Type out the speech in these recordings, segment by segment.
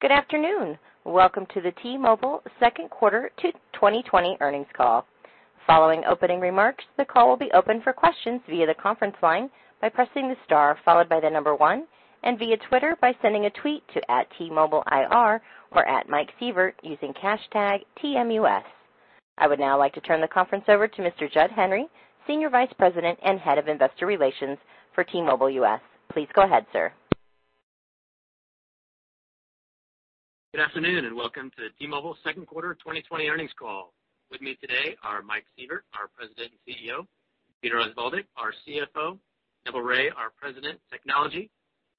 Good afternoon. Welcome to the T-Mobile Q2 2020 earnings call. Following opening remarks, the call will be open for questions via the conference line by pressing the star, followed by the number 1, and via Twitter by sending a tweet to @T-MobileIR or at Mike Sievert using hashtag TMUS. I would now like to turn the conference over to Mr. Jud Henry, Senior Vice President and Head of Investor Relations for T-Mobile US Please go ahead, sir. Good afternoon, and welcome to the T-Mobile second quarter 2020 earnings call. With me today are Mike Sievert, our President and CEO, Peter Osvaldik, our CFO, Neville Ray, our President, Technology,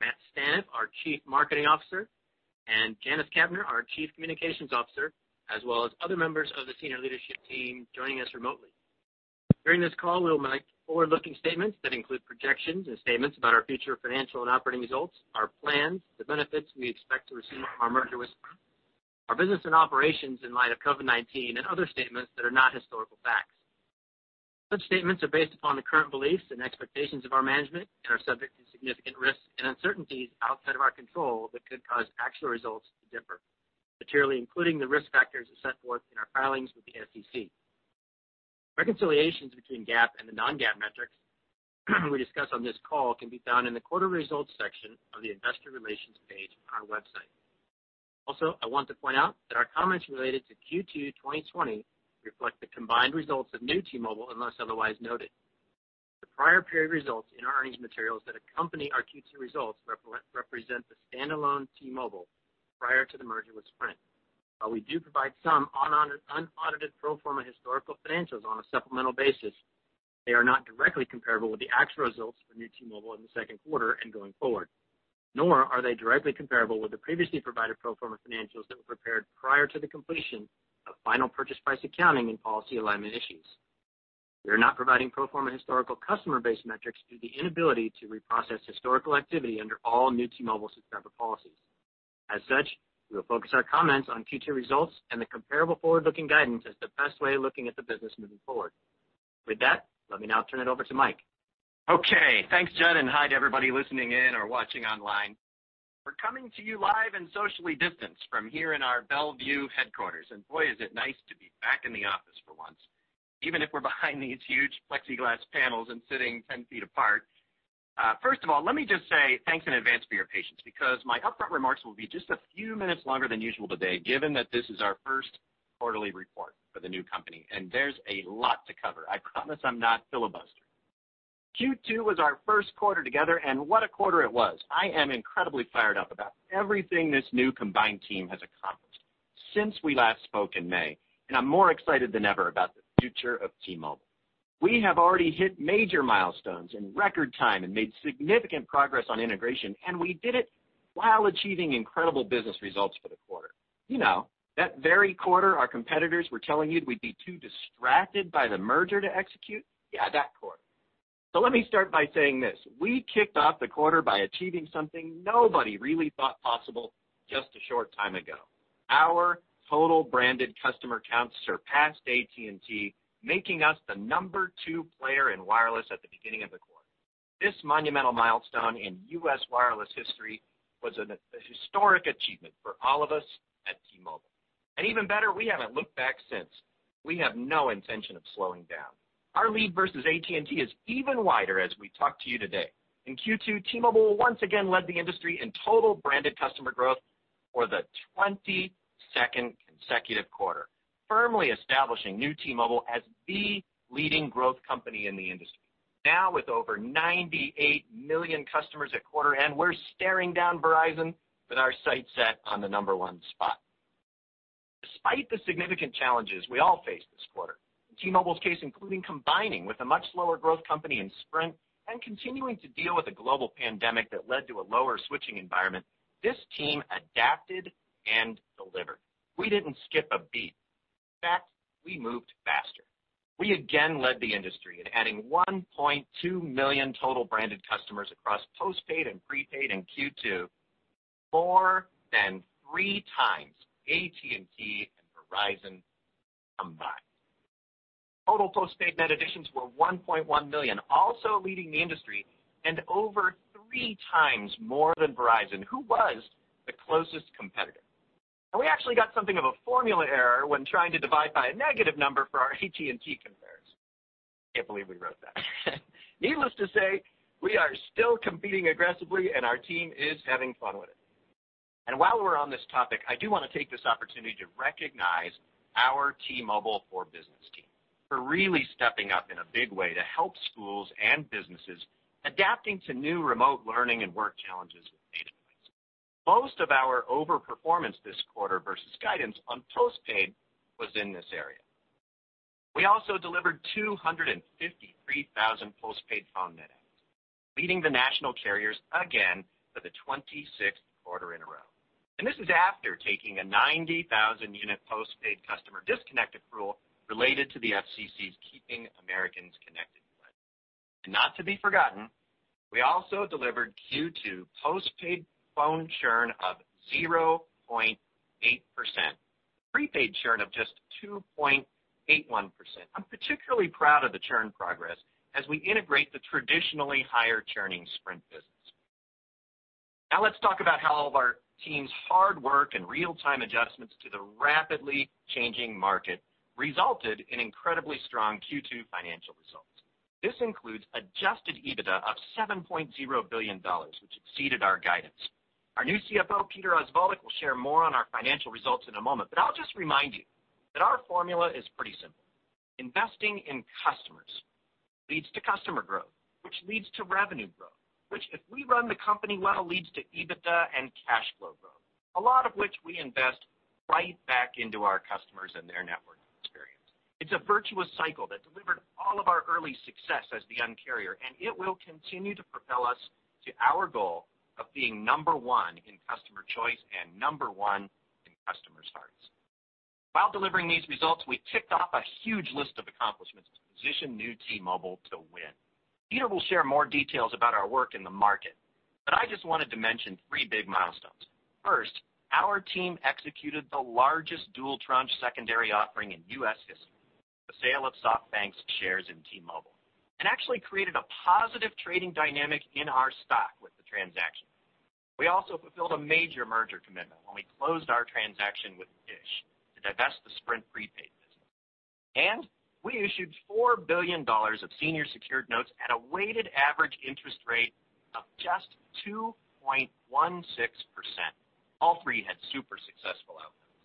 Matt Staneff, our Chief Marketing Officer, and Janice Kapner, our Chief Communications Officer, as well as other members of the senior leadership team joining us remotely. During this call, we'll make forward-looking statements that include projections and statements about our future financial and operating results, our plans, the benefits we expect to receive from our merger with Sprint, our business and operations in light of COVID-19, and other statements that are not historical facts. Such statements are based upon the current beliefs and expectations of our management and are subject to significant risks and uncertainties outside of our control that could cause actual results to differ materially, including the risk factors as set forth in our filings with the SEC. Reconciliations between GAAP and the non-GAAP metrics we discuss on this call can be found in the quarter results section of the investor relations page on our website. Also, I want to point out that our comments related to Q2 2020 reflect the combined results of new T-Mobile, unless otherwise noted. The prior period results in our earnings materials that accompany our Q2 results represent the standalone T-Mobile prior to the merger with Sprint. While we do provide some unaudited pro forma historical financials on a supplemental basis, they are not directly comparable with the actual results for New T-Mobile in the second quarter and going forward, nor are they directly comparable with the previously provided pro forma financials that were prepared prior to the completion of final purchase price accounting and policy alignment issues. We are not providing pro forma historical customer base metrics due to the inability to reprocess historical activity under all New T-Mobile subscriber policies. As such, we will focus our comments on Q2 results and the comparable forward-looking guidance as the best way of looking at the business moving forward. With that, let me now turn it over to Mike. Okay, thanks, Jud. Hi to everybody listening in or watching online. We're coming to you live and socially distanced from here in our Bellevue headquarters. Boy, is it nice to be back in the office for once, even if we're behind these huge plexiglass panels and sitting 10 feet apart. First of all, let me just say thanks in advance for your patience, because my upfront remarks will be just a few minutes longer than usual today, given that this is our first quarterly report for the new company. There's a lot to cover. I promise I'm not filibustering. Q2 was our first quarter together. What a quarter it was. I am incredibly fired up about everything this new combined team has accomplished since we last spoke in May. I'm more excited than ever about the future of T-Mobile. We have already hit major milestones in record time and made significant progress on integration, we did it while achieving incredible business results for the quarter. You know, that very quarter our competitors were telling you we'd be too distracted by the merger to execute? Yeah, that quarter. Let me start by saying this. We kicked off the quarter by achieving something nobody really thought possible just a short time ago. Our total branded customer count surpassed AT&T, making us the number two player in wireless at the beginning of the quarter. This monumental milestone in U.S. wireless history was a historic achievement for all of us at T-Mobile. Even better, we haven't looked back since. We have no intention of slowing down. Our lead versus AT&T is even wider as we talk to you today. In Q2, T-Mobile once again led the industry in total branded customer growth for the 22nd consecutive quarter, firmly establishing new T-Mobile as the leading growth company in the industry. Now, with over 98 million customers at quarter end, we're staring down Verizon with our sights set on the number one spot. Despite the significant challenges we all faced this quarter, in T-Mobile's case, including combining with a much slower growth company in Sprint and continuing to deal with a global pandemic that led to a lower switching environment, this team adapted and delivered. We didn't skip a beat. In fact, we moved faster. We again led the industry in adding 1.2 million total branded customers across postpaid and prepaid in Q2, more than 3x AT&T and Verizon combined. Total postpaid net additions were 1.1 million, also leading the industry and over 3x more than Verizon, who was the closest competitor. We actually got something of a formula error when trying to divide by a negative number for our AT&T comparison. I can't believe we wrote that. Needless to say, we are still competing aggressively, and our team is having fun with it. While we're on this topic, I do want to take this opportunity to recognize our T-Mobile for Business team for really stepping up in a big way to help schools and businesses adapting to new remote learning and work challenges with data points. Most of our overperformance this quarter versus guidance on postpaid was in this area. We also delivered 253,000 postpaid phone net adds, leading the national carriers again for the 26th quarter in a row. This is after taking a 90,000-unit postpaid customer disconnect accrual related to the FCC's Keep Americans Connected Pledge. Not to be forgotten, we also delivered Q2 postpaid phone churn of 0.8%. Prepaid churn of just 2.81%. I'm particularly proud of the churn progress as we integrate the traditionally higher churning Sprint business. Let's talk about how all of our team's hard work and real-time adjustments to the rapidly changing market resulted in incredibly strong Q2 financial results. This includes Adjusted EBITDA of $7.0 billion, which exceeded our guidance. Our new CFO, Peter Osvaldik, will share more on our financial results in a moment, but I'll just remind you that our formula is pretty simple. Investing in customers leads to customer growth, which leads to revenue growth, which if we run the company well, leads to EBITDA and cash flow growth, a lot of which we invest right back into our customers and their network experience. It's a virtuous cycle that delivered all of our early success as the Un-carrier, and it will continue to propel us to our goal of being number one in customer choice and number one in customers' hearts. While delivering these results, we ticked off a huge list of accomplishments to position new T-Mobile to win. Peter will share more details about our work in the market, but I just wanted to mention three big milestones. First, our team executed the largest dual-tranche secondary offering in U.S. history, the sale of SoftBank's shares in T-Mobile. It actually created a positive trading dynamic in our stock with the transaction. We also fulfilled a major merger commitment when we closed our transaction with DISH to divest the Sprint prepaid business. We issued $4 billion of senior secured notes at a weighted average interest rate of just 2.16%. All three had super successful outcomes.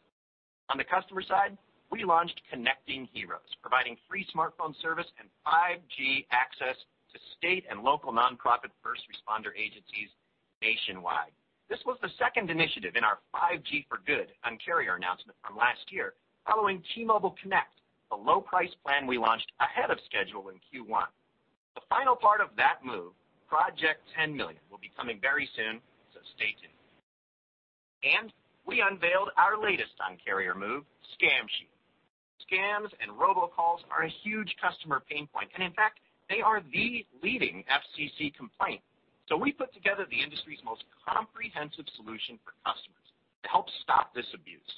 On the customer side, we launched Connecting Heroes, providing free smartphone service and 5G access to state and local nonprofit first responder agencies nationwide. This was the second initiative in our 5G for Good Un-carrier announcement from last year, following T-Mobile Connect, the low price plan we launched ahead of schedule in Q1. The final part of that move, Project 10Million, will be coming very soon. Stay tuned. We unveiled our latest Un-carrier move, Scam Shield. Scams and robocalls are a huge customer pain point. In fact, they are the leading FCC complaint. We put together the industry's most comprehensive solution for customers to help stop this abuse.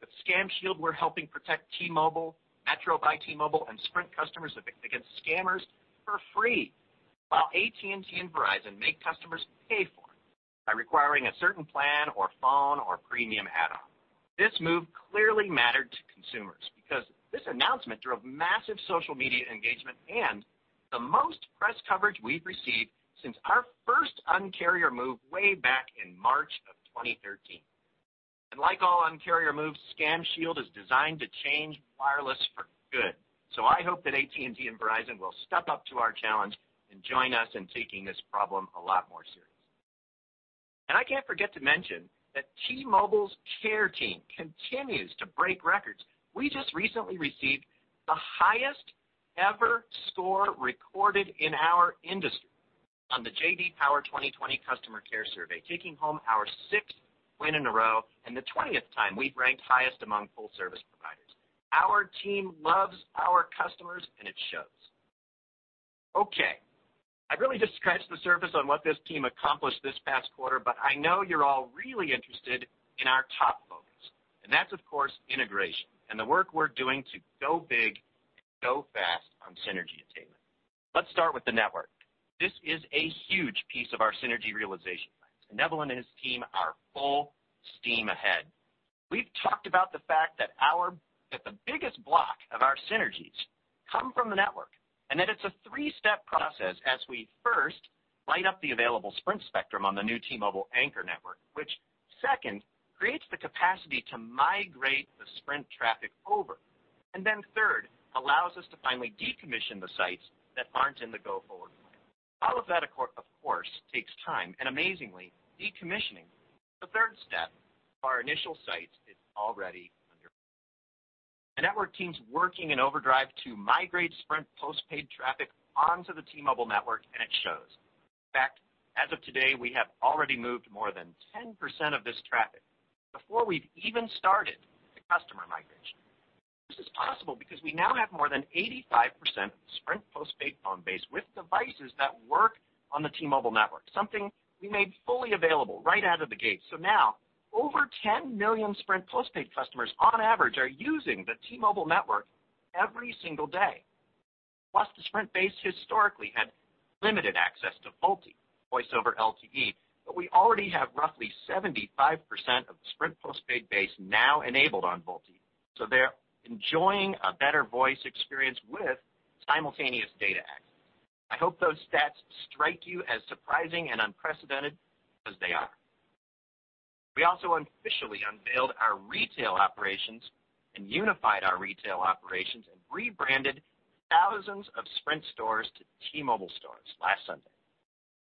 With Scam Shield, we're helping protect T-Mobile, Metro by T-Mobile, and Sprint customers against scammers for free while AT&T and Verizon make customers pay for it by requiring a certain plan or phone or premium add-on. This move clearly mattered to consumers because this announcement drove massive social media engagement and the most press coverage we've received since our first Un-carrier move way back in March of 2013. Like all Un-carrier moves, Scam Shield is designed to change wireless for good. I hope that AT&T and Verizon will step up to our challenge and join us in taking this problem a lot more seriously. I can't forget to mention that T-Mobile's care team continues to break records. We just recently received the highest ever score recorded in our industry on the J.D. Power 2020 Customer Care Survey, taking home our sixth win in a row and the 20th time we've ranked highest among full-service providers. Our team loves our customers. It shows. Okay, I really just scratched the surface on what this team accomplished this past quarter, I know you're all really interested in our top focus, and that's, of course, integration and the work we're doing to go big and go fast on synergy attainment. Let's start with the network. This is a huge piece of our synergy realization plans. Neville and his team are full steam ahead. We've talked about the fact that the biggest block of our synergies come from the network, and that it's a three-step process as we first light up the available Sprint spectrum on the new T-Mobile anchor network, which second, creates the capacity to migrate the Sprint traffic over, and then third, allows us to finally decommission the sites that aren't in the go-forward plan. All of that, of course, takes time, and amazingly, decommissioning, the third step of our initial sites, is already underway. The network team's working in overdrive to migrate Sprint postpaid traffic onto the T-Mobile network, and it shows. In fact, as of today, we have already moved more than 10% of this traffic before we've even started the customer migration. This is possible because we now have more than 85% of the Sprint postpaid phone base with devices that work on the T-Mobile network, something we made fully available right out of the gate. Now, over 10 million Sprint postpaid customers on average are using the T-Mobile network every single day. The Sprint base historically had limited access to VoLTE, Voice over LTE, but we already have roughly 75% of the Sprint postpaid base now enabled on VoLTE, so they're enjoying a better voice experience with simultaneous data access. I hope those stats strike you as surprising and unprecedented as they are. We also officially unveiled our retail operations and unified our retail operations and rebranded thousands of Sprint stores to T-Mobile stores last Sunday.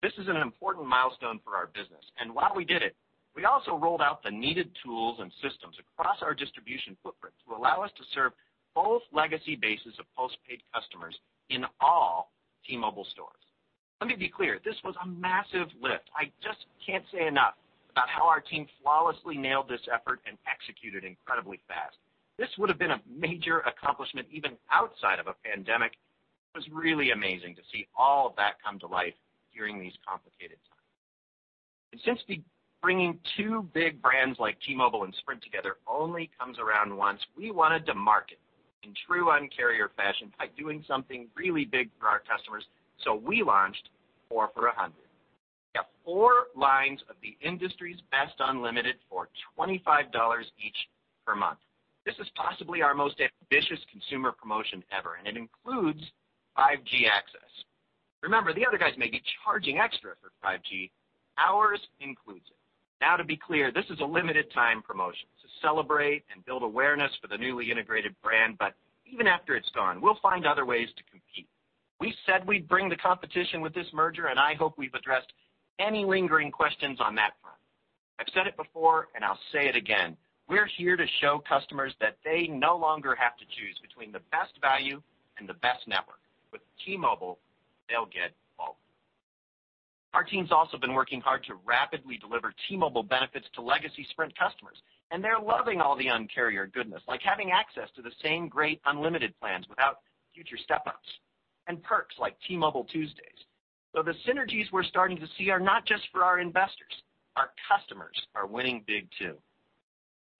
This is an important milestone for our business. While we did it, we also rolled out the needed tools and systems across our distribution footprint to allow us to serve both legacy bases of postpaid customers in all T-Mobile stores. Let me be clear, this was a massive lift. I just can't say enough about how our team flawlessly nailed this effort and executed incredibly fast. This would have been a major accomplishment even outside of a pandemic. It was really amazing to see all of that come to life during these complicated times. Since the bringing two big brands like T-Mobile and Sprint together only comes around once, we wanted to market in true Un-carrier fashion by doing something really big for our customers. We launched four for $100. We got four lines of the industry's best unlimited for $25 each per month. This is possibly our most ambitious consumer promotion ever, and it includes 5G access. Remember, the other guys may be charging extra for 5G. Ours includes it. Now, to be clear, this is a limited time promotion to celebrate and build awareness for the newly integrated brand. Even after it's gone, we'll find other ways to compete. We said we'd bring the competition with this merger, and I hope we've addressed any lingering questions on that front. I've said it before and I'll say it again, we're here to show customers that they no longer have to choose between the best value and the best network. With T-Mobile, they'll get both. Our team's also been working hard to rapidly deliver T-Mobile benefits to legacy Sprint customers, and they're loving all the Un-carrier goodness, like having access to the same great unlimited plans without future step-ups, and perks like T-Mobile Tuesdays. The synergies we're starting to see are not just for our investors. Our customers are winning big, too.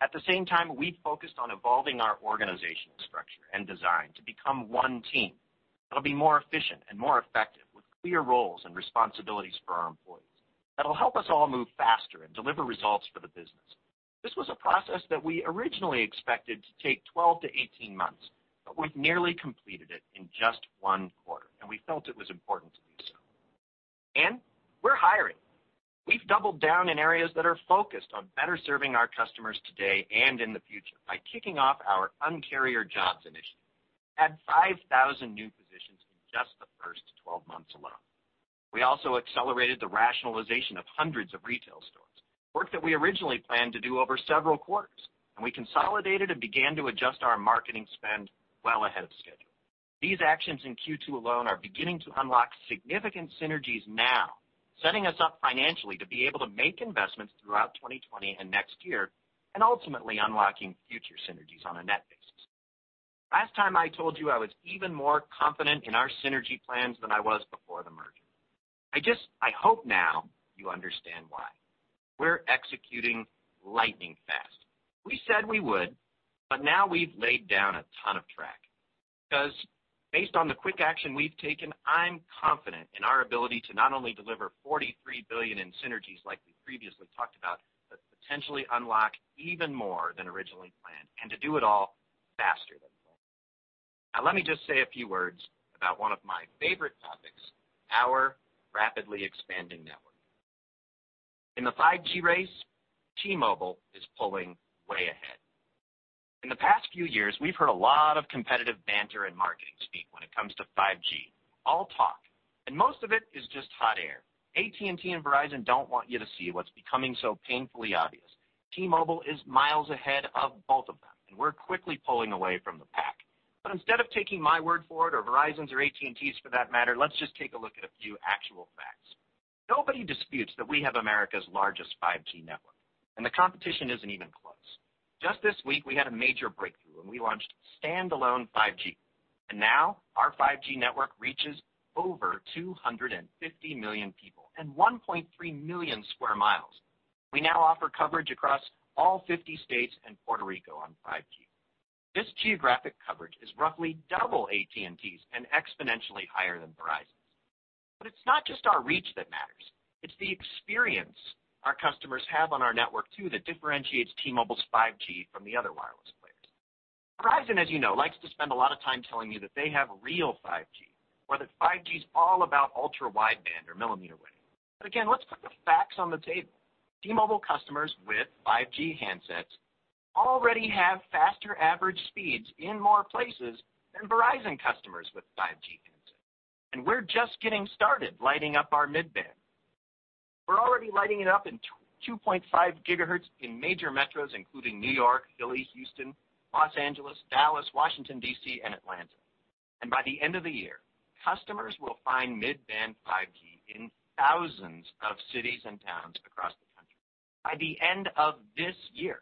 At the same time, we've focused on evolving our organizational structure and design to become one team that'll be more efficient and more effective with clear roles and responsibilities for our employees. That'll help us all move faster and deliver results for the business. This was a process that we originally expected to take 12-18 months, but we've nearly completed it in just one quarter, and we felt it was important to do so. We're hiring. We've doubled down in areas that are focused on better serving our customers today and in the future by kicking off our Un-carrier jobs initiative. Add 5,000 new positions in just the first 12 months alone. We also accelerated the rationalization of hundreds of retail stores, work that we originally planned to do over several quarters, and we consolidated and began to adjust our marketing spend well ahead of schedule. These actions in Q2 alone are beginning to unlock significant synergies now, setting us up financially to be able to make investments throughout 2020 and next year and ultimately unlocking future synergies on a net basis. Last time I told you, I was even more confident in our synergy plans than I was before the merger. I hope now you understand why. We're executing lightning fast. We said we would, now we've laid down a ton of track because based on the quick action we've taken, I'm confident in our ability to not only deliver $43 billion in synergies like we previously talked about, but potentially unlock even more than originally planned and to do it all faster than planned. Let me just say a few words about one of my favorite topics, our rapidly expanding network. In the 5G race, T-Mobile is pulling way ahead. In the past few years, we've heard a lot of competitive banter and marketing speak when it comes to 5G. All talk, most of it is just hot air. AT&T and Verizon don't want you to see what's becoming so painfully obvious. T-Mobile is miles ahead of both of them, we're quickly pulling away from the pack. Instead of taking my word for it or Verizon's or AT&T's for that matter, let's just take a look at a few actual facts. Nobody disputes that we have America's largest 5G network, and the competition isn't even close. Just this week, we had a major breakthrough and we launched standalone 5G, and now our 5G network reaches over 250 million people and 1.3 million sq mi. We now offer coverage across all 50 states and Puerto Rico on 5G. This geographic coverage is roughly double AT&T's and exponentially higher than Verizon's. It's not just our reach that matters. It's the experience our customers have on our network too that differentiates T-Mobile's 5G from the other wireless players. Verizon, as you know, likes to spend a lot of time telling you that they have real 5G, or that 5G is all about ultra-wideband or millimeter wave. Again, let's put the facts on the table. T-Mobile customers with 5G handsets already have faster average speeds in more places than Verizon customers with 5G handsets. We're just getting started lighting up our mid-band. We're already lighting it up in 2.5 GHz in major metros including New York, Philly, Houston, Los Angeles, Dallas, Washington, D.C., and Atlanta. By the end of the year, customers will find mid-band 5G in thousands of cities and towns across the country. By the end of this year.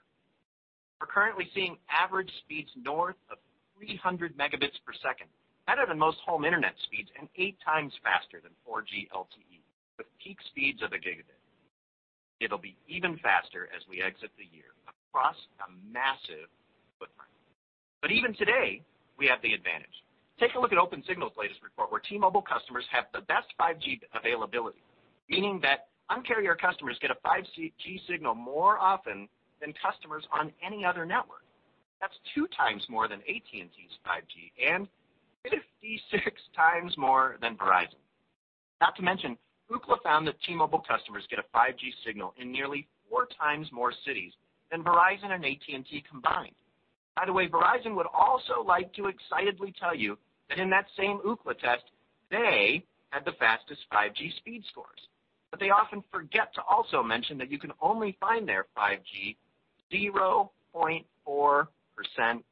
We're currently seeing average speeds north of 300 Mbps, better than most home internet speeds and 8x faster than 4G LTE, with peak speeds of 1 gigabit. It'll be even faster as we exit the year across a massive footprint. Even today, we have the advantage. Take a look at Opensignal's latest report, where T-Mobile customers have the best 5G availability, meaning that Un-carrier customers get a 5G signal more often than customers on any other network. That's 2x more than AT&T's 5G and 56x more than Verizon. Not to mention, Ookla found that T-Mobile customers get a 5G signal in nearly 4x more cities than Verizon and AT&T combined. By the way, Verizon would also like to excitedly tell you that in that same Ookla test, they had the fastest 5G speed scores. They often forget to also mention that you can only find their 5G 0.4% of the time.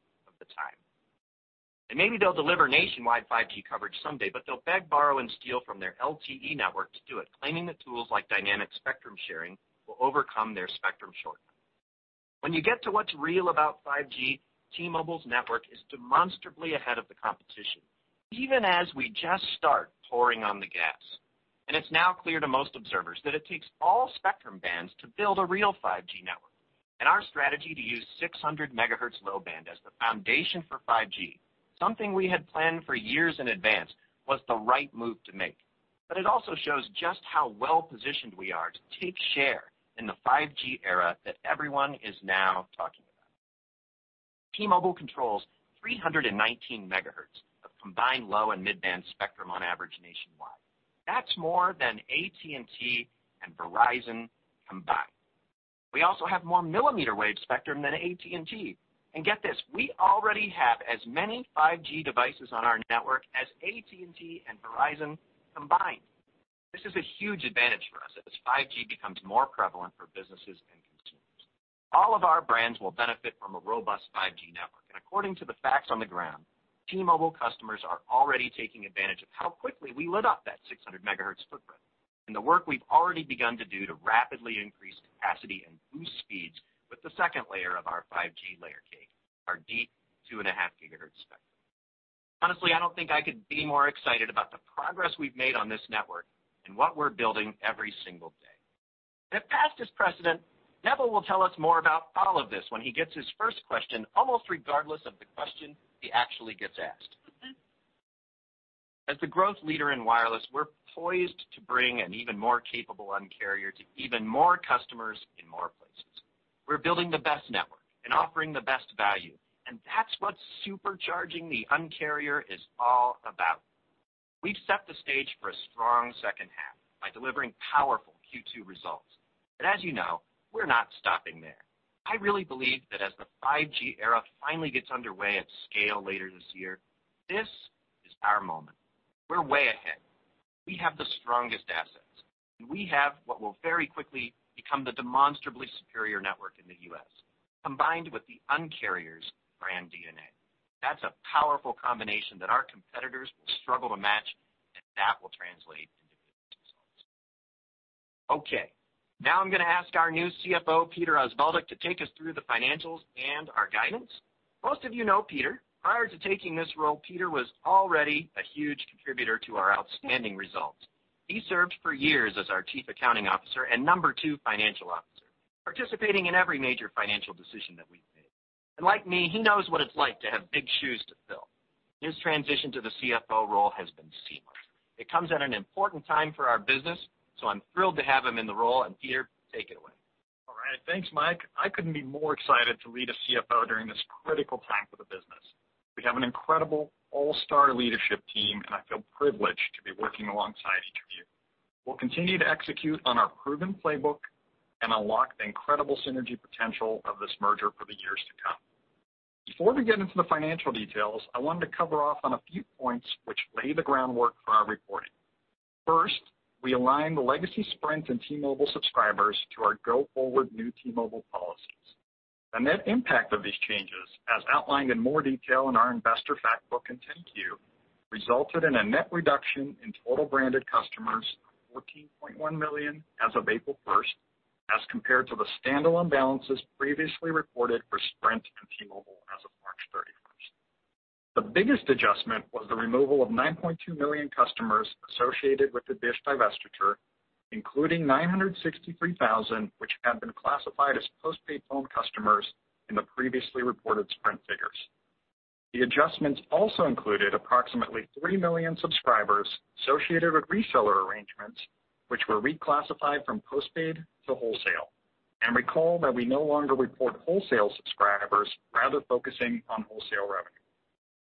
Maybe they'll deliver nationwide 5G coverage someday, but they'll beg, borrow and steal from their LTE network to do it, claiming that tools like dynamic spectrum sharing will overcome their spectrum shortcomings. When you get to what's real about 5G, T-Mobile's network is demonstrably ahead of the competition, even as we just start pouring on the gas. It's now clear to most observers that it takes all spectrum bands to build a real 5G network. Our strategy to use 600 MHz low band as the foundation for 5G, something we had planned for years in advance, was the right move to make. It also shows just how well-positioned we are to take share in the 5G era that everyone is now talking about. T-Mobile controls 319 MHz of combined low and mid-band spectrum on average nationwide. That's more than AT&T and Verizon combined. We also have more millimeter wave spectrum than AT&T. Get this, we already have as many 5G devices on our network as AT&T and Verizon combined. This is a huge advantage for us as 5G becomes more prevalent for businesses and consumers. All of our brands will benefit from a robust 5G network. According to the facts on the ground, T-Mobile customers are already taking advantage of how quickly we lit up that 600 MHz footprint. The work we've already begun to do to rapidly increase capacity and boost speeds with the second layer of our 5G layer cake, our deep two-and-a-half GHz spectrum. Honestly, I don't think I could be more excited about the progress we've made on this network and what we're building every single day. If past is precedent, Neville will tell us more about all of this when he gets his first question, almost regardless of the question he actually gets asked. As the growth leader in wireless, we're poised to bring an even more capable Un-carrier to even more customers in more places. We're building the best network and offering the best value, and that's what supercharging the Un-carrier is all about. We've set the stage for a strong second half by delivering powerful Q2 results. As you know, we're not stopping there. I really believe that as the 5G era finally gets underway at scale later this year, this is our moment. We're way ahead. We have the strongest assets, and we have what will very quickly become the demonstrably superior network in the U.S., combined with the Un-carrier's brand DNA. That's a powerful combination that our competitors will struggle to match, and that will translate into big results. Okay, now I'm going to ask our new CFO, Peter Osvaldik, to take us through the financials and our guidance. Most of you know Peter. Prior to taking this role, Peter was already a huge contributor to our outstanding results. He served for years as our chief accounting officer and number two financial officer, participating in every major financial decision that we've made. Like me, he knows what it's like to have big shoes to fill. His transition to the CFO role has been seamless. It comes at an important time for our business, so I'm thrilled to have him in the role. Peter, take it away. All right. Thanks, Mike. I couldn't be more excited to lead as CFO during this critical time for the business. We have an incredible all-star leadership team, and I feel privileged to be working alongside each of you. We'll continue to execute on our proven playbook and unlock the incredible synergy potential of this merger for the years to come. Before we get into the financial details, I wanted to cover off on a few points which lay the groundwork for our reporting. First, we align the legacy Sprint and T-Mobile subscribers to our go-forward new T-Mobile policies. The net impact of these changes, as outlined in more detail in our investor fact book and 10-Q, resulted in a net reduction in total branded customers of 14.1 million as of April 1st, as compared to the standalone balances previously reported for Sprint and T-Mobile as of March 31st. The biggest adjustment was the removal of 9.2 million customers associated with the DISH divestiture, including 963,000, which had been classified as postpaid phone customers in the previously reported Sprint figures. The adjustments also included approximately 3 million subscribers associated with reseller arrangements, which were reclassified from postpaid to wholesale. Recall that we no longer report wholesale subscribers, rather focusing on wholesale revenue.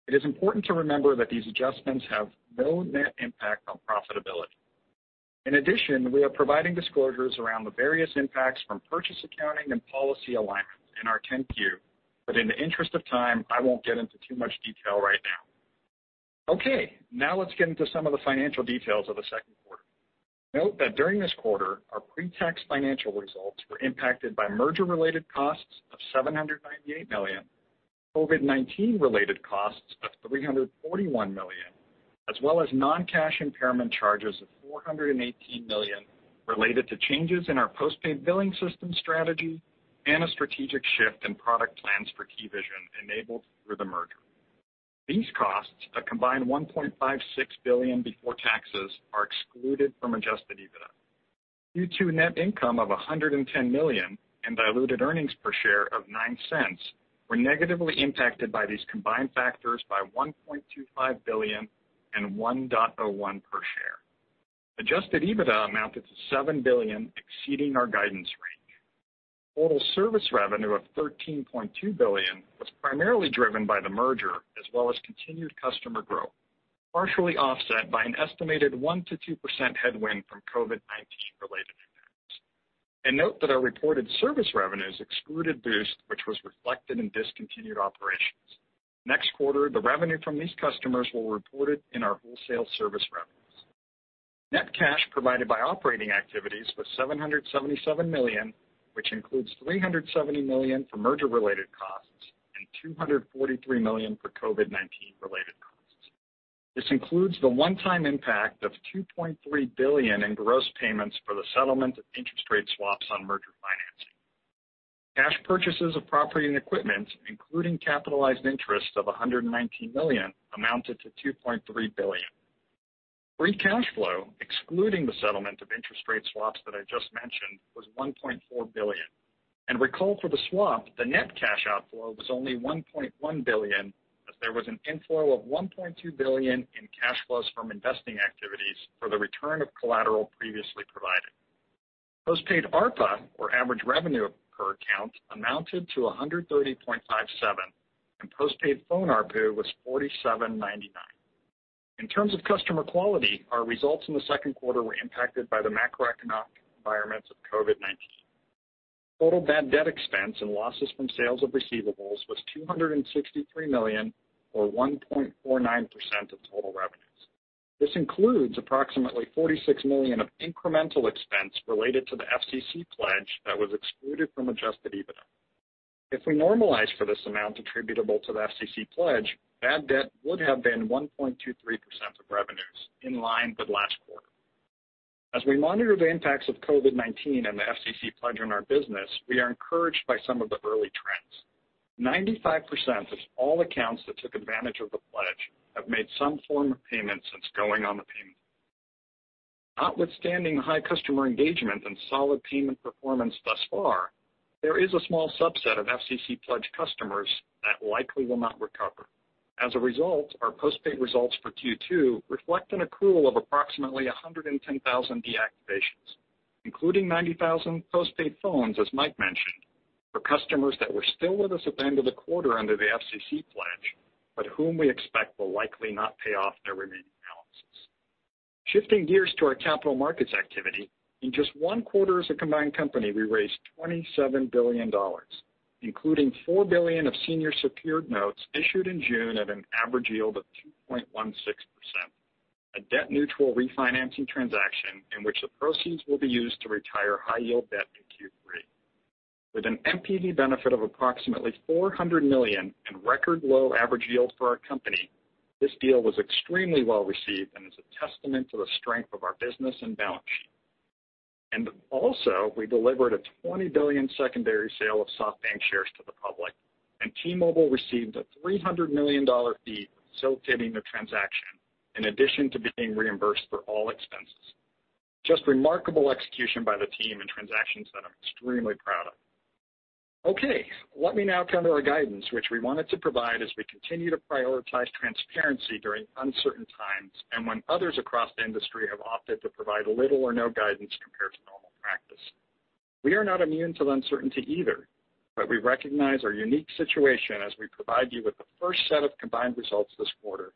It is important to remember that these adjustments have no net impact on profitability. In addition, we are providing disclosures around the various impacts from purchase accounting and policy alignment in our 10-Q, but in the interest of time, I won't get into too much detail right now. Okay, now let's get into some of the financial details of the second quarter. Note that during this quarter, our pre-tax financial results were impacted by merger-related costs of $798 million, COVID-19-related costs of $341 million, as well as non-cash impairment charges of $418 million related to changes in our postpaid billing system strategy and a strategic shift in product plans for TVision enabled through the merger. These costs, a combined $1.56 billion before taxes, are excluded from Adjusted EBITDA. Q2 net income of $110 million and diluted earnings per share of $0.09 were negatively impacted by these combined factors by $1.25 billion and $1.01 per share. Adjusted EBITDA amounted to $7 billion, exceeding our guidance range. Total service revenue of $13.2 billion was primarily driven by the merger, as well as continued customer growth, partially offset by an estimated 1%-2% headwind from COVID-19 related impacts. Note that our reported service revenues excluded Boost, which was reflected in discontinued operations. Next quarter, the revenue from these customers will be reported in our wholesale service revenues. Net cash provided by operating activities was $777 million, which includes $370 million for merger-related costs and $243 million for COVID-19-related costs. This includes the one-time impact of $2.3 billion in gross payments for the settlement of interest rate swaps on merger financing. Cash purchases of property and equipment, including capitalized interest of $119 million, amounted to $2.3 billion. Free cash flow, excluding the settlement of interest rate swaps that I just mentioned, was $1.4 billion. Recall for the swap, the net cash outflow was only $1.1 billion, as there was an inflow of $1.2 billion in cash flows from investing activities for the return of collateral previously provided. Postpaid ARPA, or average revenue per account, amounted to $130.57, and postpaid phone ARPU was $47.99. In terms of customer quality, our results in the second quarter were impacted by the macroeconomic environments of COVID-19. Total bad debt expense and losses from sales of receivables was $263 million, or 1.49% of total revenues. This includes approximately $46 million of incremental expense related to the FCC pledge that was excluded from Adjusted EBITDA. If we normalize for this amount attributable to the FCC pledge, bad debt would have been 1.23% of revenues, in line with last quarter. As we monitor the impacts of COVID-19 and the FCC pledge on our business, we are encouraged by some of the early trends. 95% of all accounts that took advantage of the pledge have made some form of payment since going on the payment plan. Notwithstanding the high customer engagement and solid payment performance thus far, there is a small subset of FCC pledge customers that likely will not recover. As a result, our postpaid results for Q2 reflect an accrual of approximately 110,000 deactivations, including 90,000 postpaid phones, as Mike mentioned, for customers that were still with us at the end of the quarter under the FCC pledge, whom we expect will likely not pay off their remaining balances. Shifting gears to our capital markets activity, in just one quarter as a combined company, we raised $27 billion, including $4 billion of senior secured notes issued in June at an average yield of 2.16%, a debt neutral refinancing transaction in which the proceeds will be used to retire high yield debt in Q3. With an NPV benefit of approximately $400 million and record low average yield for our company, this deal was extremely well-received and is a testament to the strength of our business and balance sheet. Also, we delivered a $20 billion secondary sale of SoftBank shares to the public, and T-Mobile received a $300 million fee facilitating the transaction, in addition to being reimbursed for all expenses. Just remarkable execution by the team and transactions that I'm extremely proud of. Let me now turn to our guidance, which we wanted to provide as we continue to prioritize transparency during uncertain times and when others across the industry have opted to provide little or no guidance compared to normal practice. We are not immune to the uncertainty either, but we recognize our unique situation as we provide you with the first set of combined results this quarter,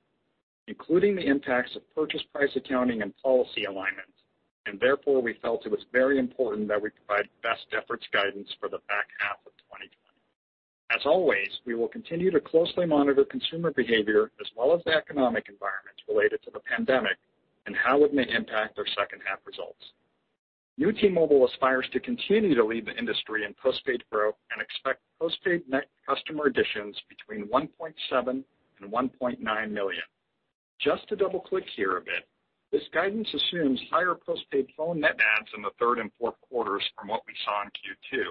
including the impacts of purchase price accounting and policy alignment, and therefore, we felt it was very important that we provide best efforts guidance for the back half of 2020. As always, we will continue to closely monitor consumer behavior as well as the economic environments related to the pandemic and how it may impact our second half results. New T-Mobile aspires to continue to lead the industry in postpaid growth and expect postpaid net customer additions between $1.7 million and $1.9 million. Just to double-click here a bit, this guidance assumes higher postpaid phone net adds in the third and fourth quarters from what we saw in Q2.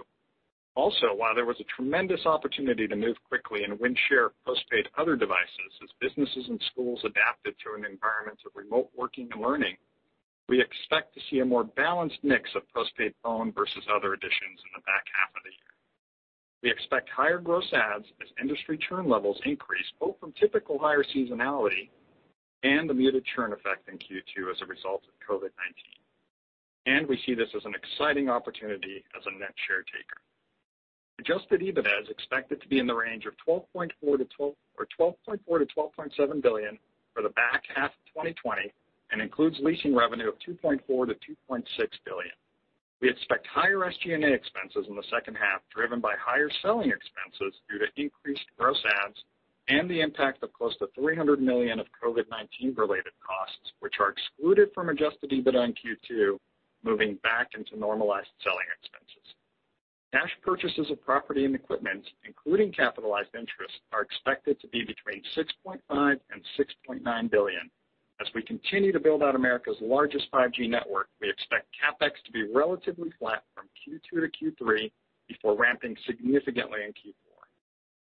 While there was a tremendous opportunity to move quickly and win share postpaid other devices as businesses and schools adapted to an environment of remote working and learning, we expect to see a more balanced mix of postpaid phone versus other additions in the back half of the year. We expect higher gross adds as industry churn levels increase, both from typical higher seasonality and the muted churn effect in Q2 as a result of COVID-19. We see this as an exciting opportunity as a net share taker. Adjusted EBITDA is expected to be in the range of $12.4-12.7 billion for the back half of 2020 and includes leasing revenue of $2.4-2.6 billion. We expect higher SG&A expenses in the second half, driven by higher selling expenses due to increased gross adds and the impact of close to $300 million of COVID-19 related costs, which are excluded from adjusted EBITDA in Q2, moving back into normalized selling expenses. Cash purchases of property and equipment, including capitalized interest, are expected to be between $6.5 billion and $6.9 billion. As we continue to build out America's largest 5G network, we expect CapEx to be relatively flat from Q2 to Q3 before ramping significantly in Q4.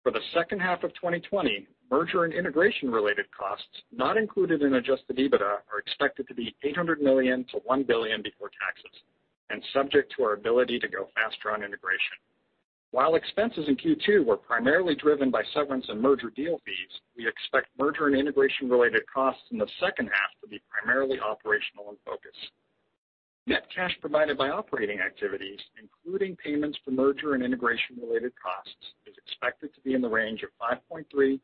For the second half of 2020, merger and integration-related costs not included in Adjusted EBITDA are expected to be $800 million-1 billion before taxes and subject to our ability to go faster on integration. While expenses in Q2 were primarily driven by severance and merger deal fees, we expect merger and integration-related costs in the second half to be primarily operational in focus. Net cash provided by operating activities, including payments for merger and integration-related costs, is expected to be in the range of $5.3-5.7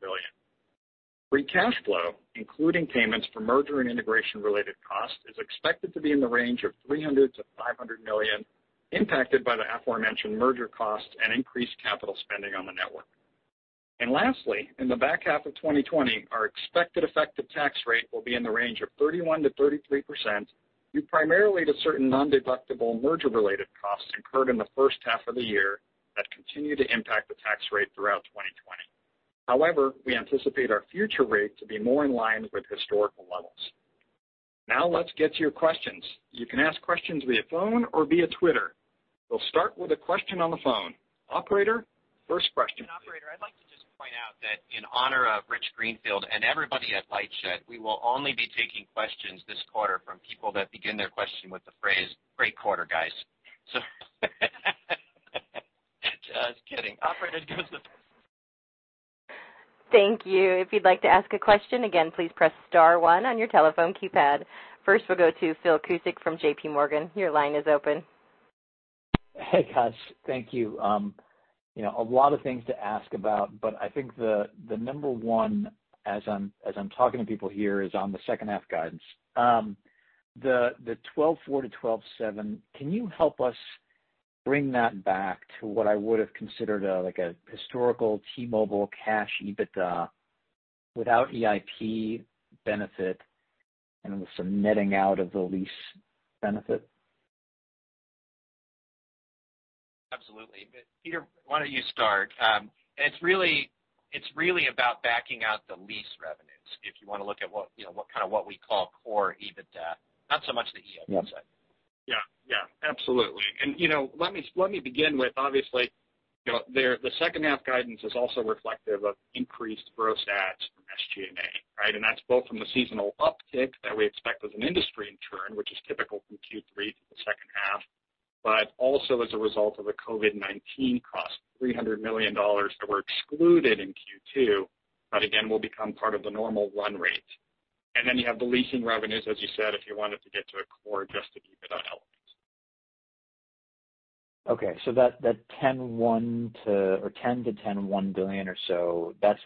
billion. Free cash flow, including payments for merger and integration-related costs, is expected to be in the range of $300-500 million, impacted by the aforementioned merger costs and increased capital spending on the network. Lastly, in the back half of 2020, our expected effective tax rate will be in the range of 31%-33%, due primarily to certain nondeductible merger-related costs incurred in the first half of the year continue to impact the tax rate throughout 2020. However, we anticipate our future rate to be more in line with historical levels. Now let's get to your questions. You can ask questions via phone or via Twitter. We'll start with a question on the phone. Operator, first question. Operator, I'd like to just point out that in honor of Rich Greenfield and everybody at LightShed, we will only be taking questions this quarter from people that begin their question with the phrase, "Great quarter, guys." Just kidding. Operator. Thank you. If you'd like to ask a question, again, please press star one on your telephone keypad. First, we'll go to Philip Cusick from JPMorgan. Your line is open. Hey, guys. Thank you. A lot of things to ask about, but I think the number one as I'm talking to people here is on the second half guidance. The $12.4-12.7, can you help us bring that back to what I would have considered like a historical T-Mobile cash EBITDA without EIP benefit and with some netting out of the lease benefit? Absolutely. Peter, why don't you start? It's really about backing out the lease revenues, if you want to look at what we call core EBITDA, not so much the EIP side. Yeah. Absolutely. Let me begin with, obviously, the second half guidance is also reflective of increased gross adds from SG&A, right? That's both from the seasonal uptick that we expect as an industry in churn, which is typical from Q3 through the second half, but also as a result of the COVID-19 cost, $300 million that were excluded in Q2, but again, will become part of the normal run rate. Then you have the leasing revenues, as you said, if you wanted to get to a core Adjusted EBITDA element. Okay. That $10-10.1 billion or so, that's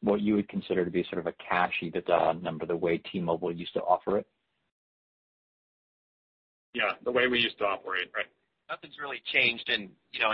what you would consider to be sort of a cash EBITDA number the way T-Mobile used to offer it? Yeah. The way we used to operate, right. Nothing's really changed in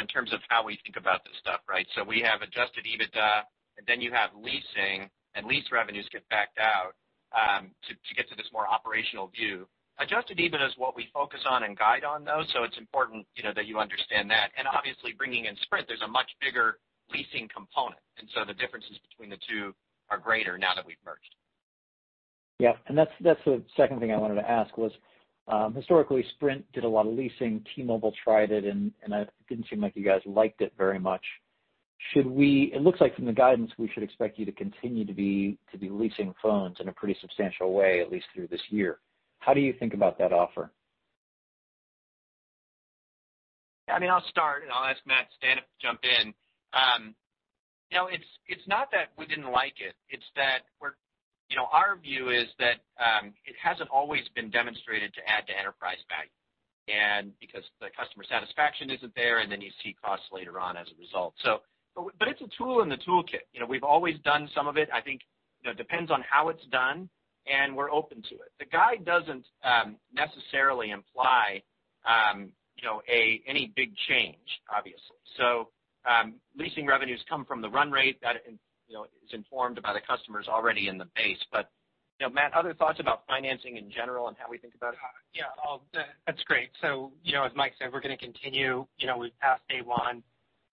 terms of how we think about this stuff, right? We have Adjusted EBITDA, and then you have leasing and lease revenues get backed out to get to this more operational view. Adjusted EBITDA is what we focus on and guide on, though, so it's important that you understand that. Obviously bringing in Sprint, there's a much bigger leasing component, and so the differences between the two are greater now that we've merged. Yeah. That's the second thing I wanted to ask was, historically, Sprint did a lot of leasing. T-Mobile tried it, and it didn't seem like you guys liked it very much. It looks like from the guidance, we should expect you to continue to be leasing phones in a pretty substantial way, at least through this year. How do you think about that offer? I mean, I'll start, and I'll ask Matt Staneff to jump in. It's not that we didn't like it's that our view is that it hasn't always been demonstrated to add to enterprise value. Because the customer satisfaction isn't there, and then you see costs later on as a result. It's a tool in the toolkit. We've always done some of it. I think it depends on how it's done, and we're open to it. The guide doesn't necessarily imply any big change, obviously. Leasing revenues come from the run rate that is informed by the customers already in the base. Matt, other thoughts about financing in general and how we think about it? Yeah. That's great. As Mike said, we're going to continue. We've passed day one.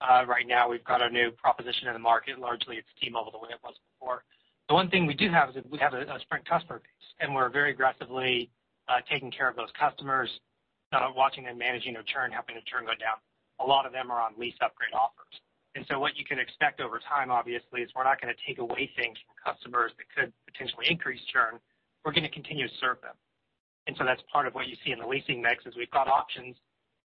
Right now, we've got a new proposition in the market. Largely, it's T-Mobile the way it was before. The one thing we do have is we have a Sprint customer base, and we're very aggressively taking care of those customers, watching and managing their churn, helping the churn go down. A lot of them are on lease upgrade offers. What you can expect over time, obviously, is we're not going to take away things from customers that could potentially increase churn. We're going to continue to serve them. That's part of what you see in the leasing mix, is we've got options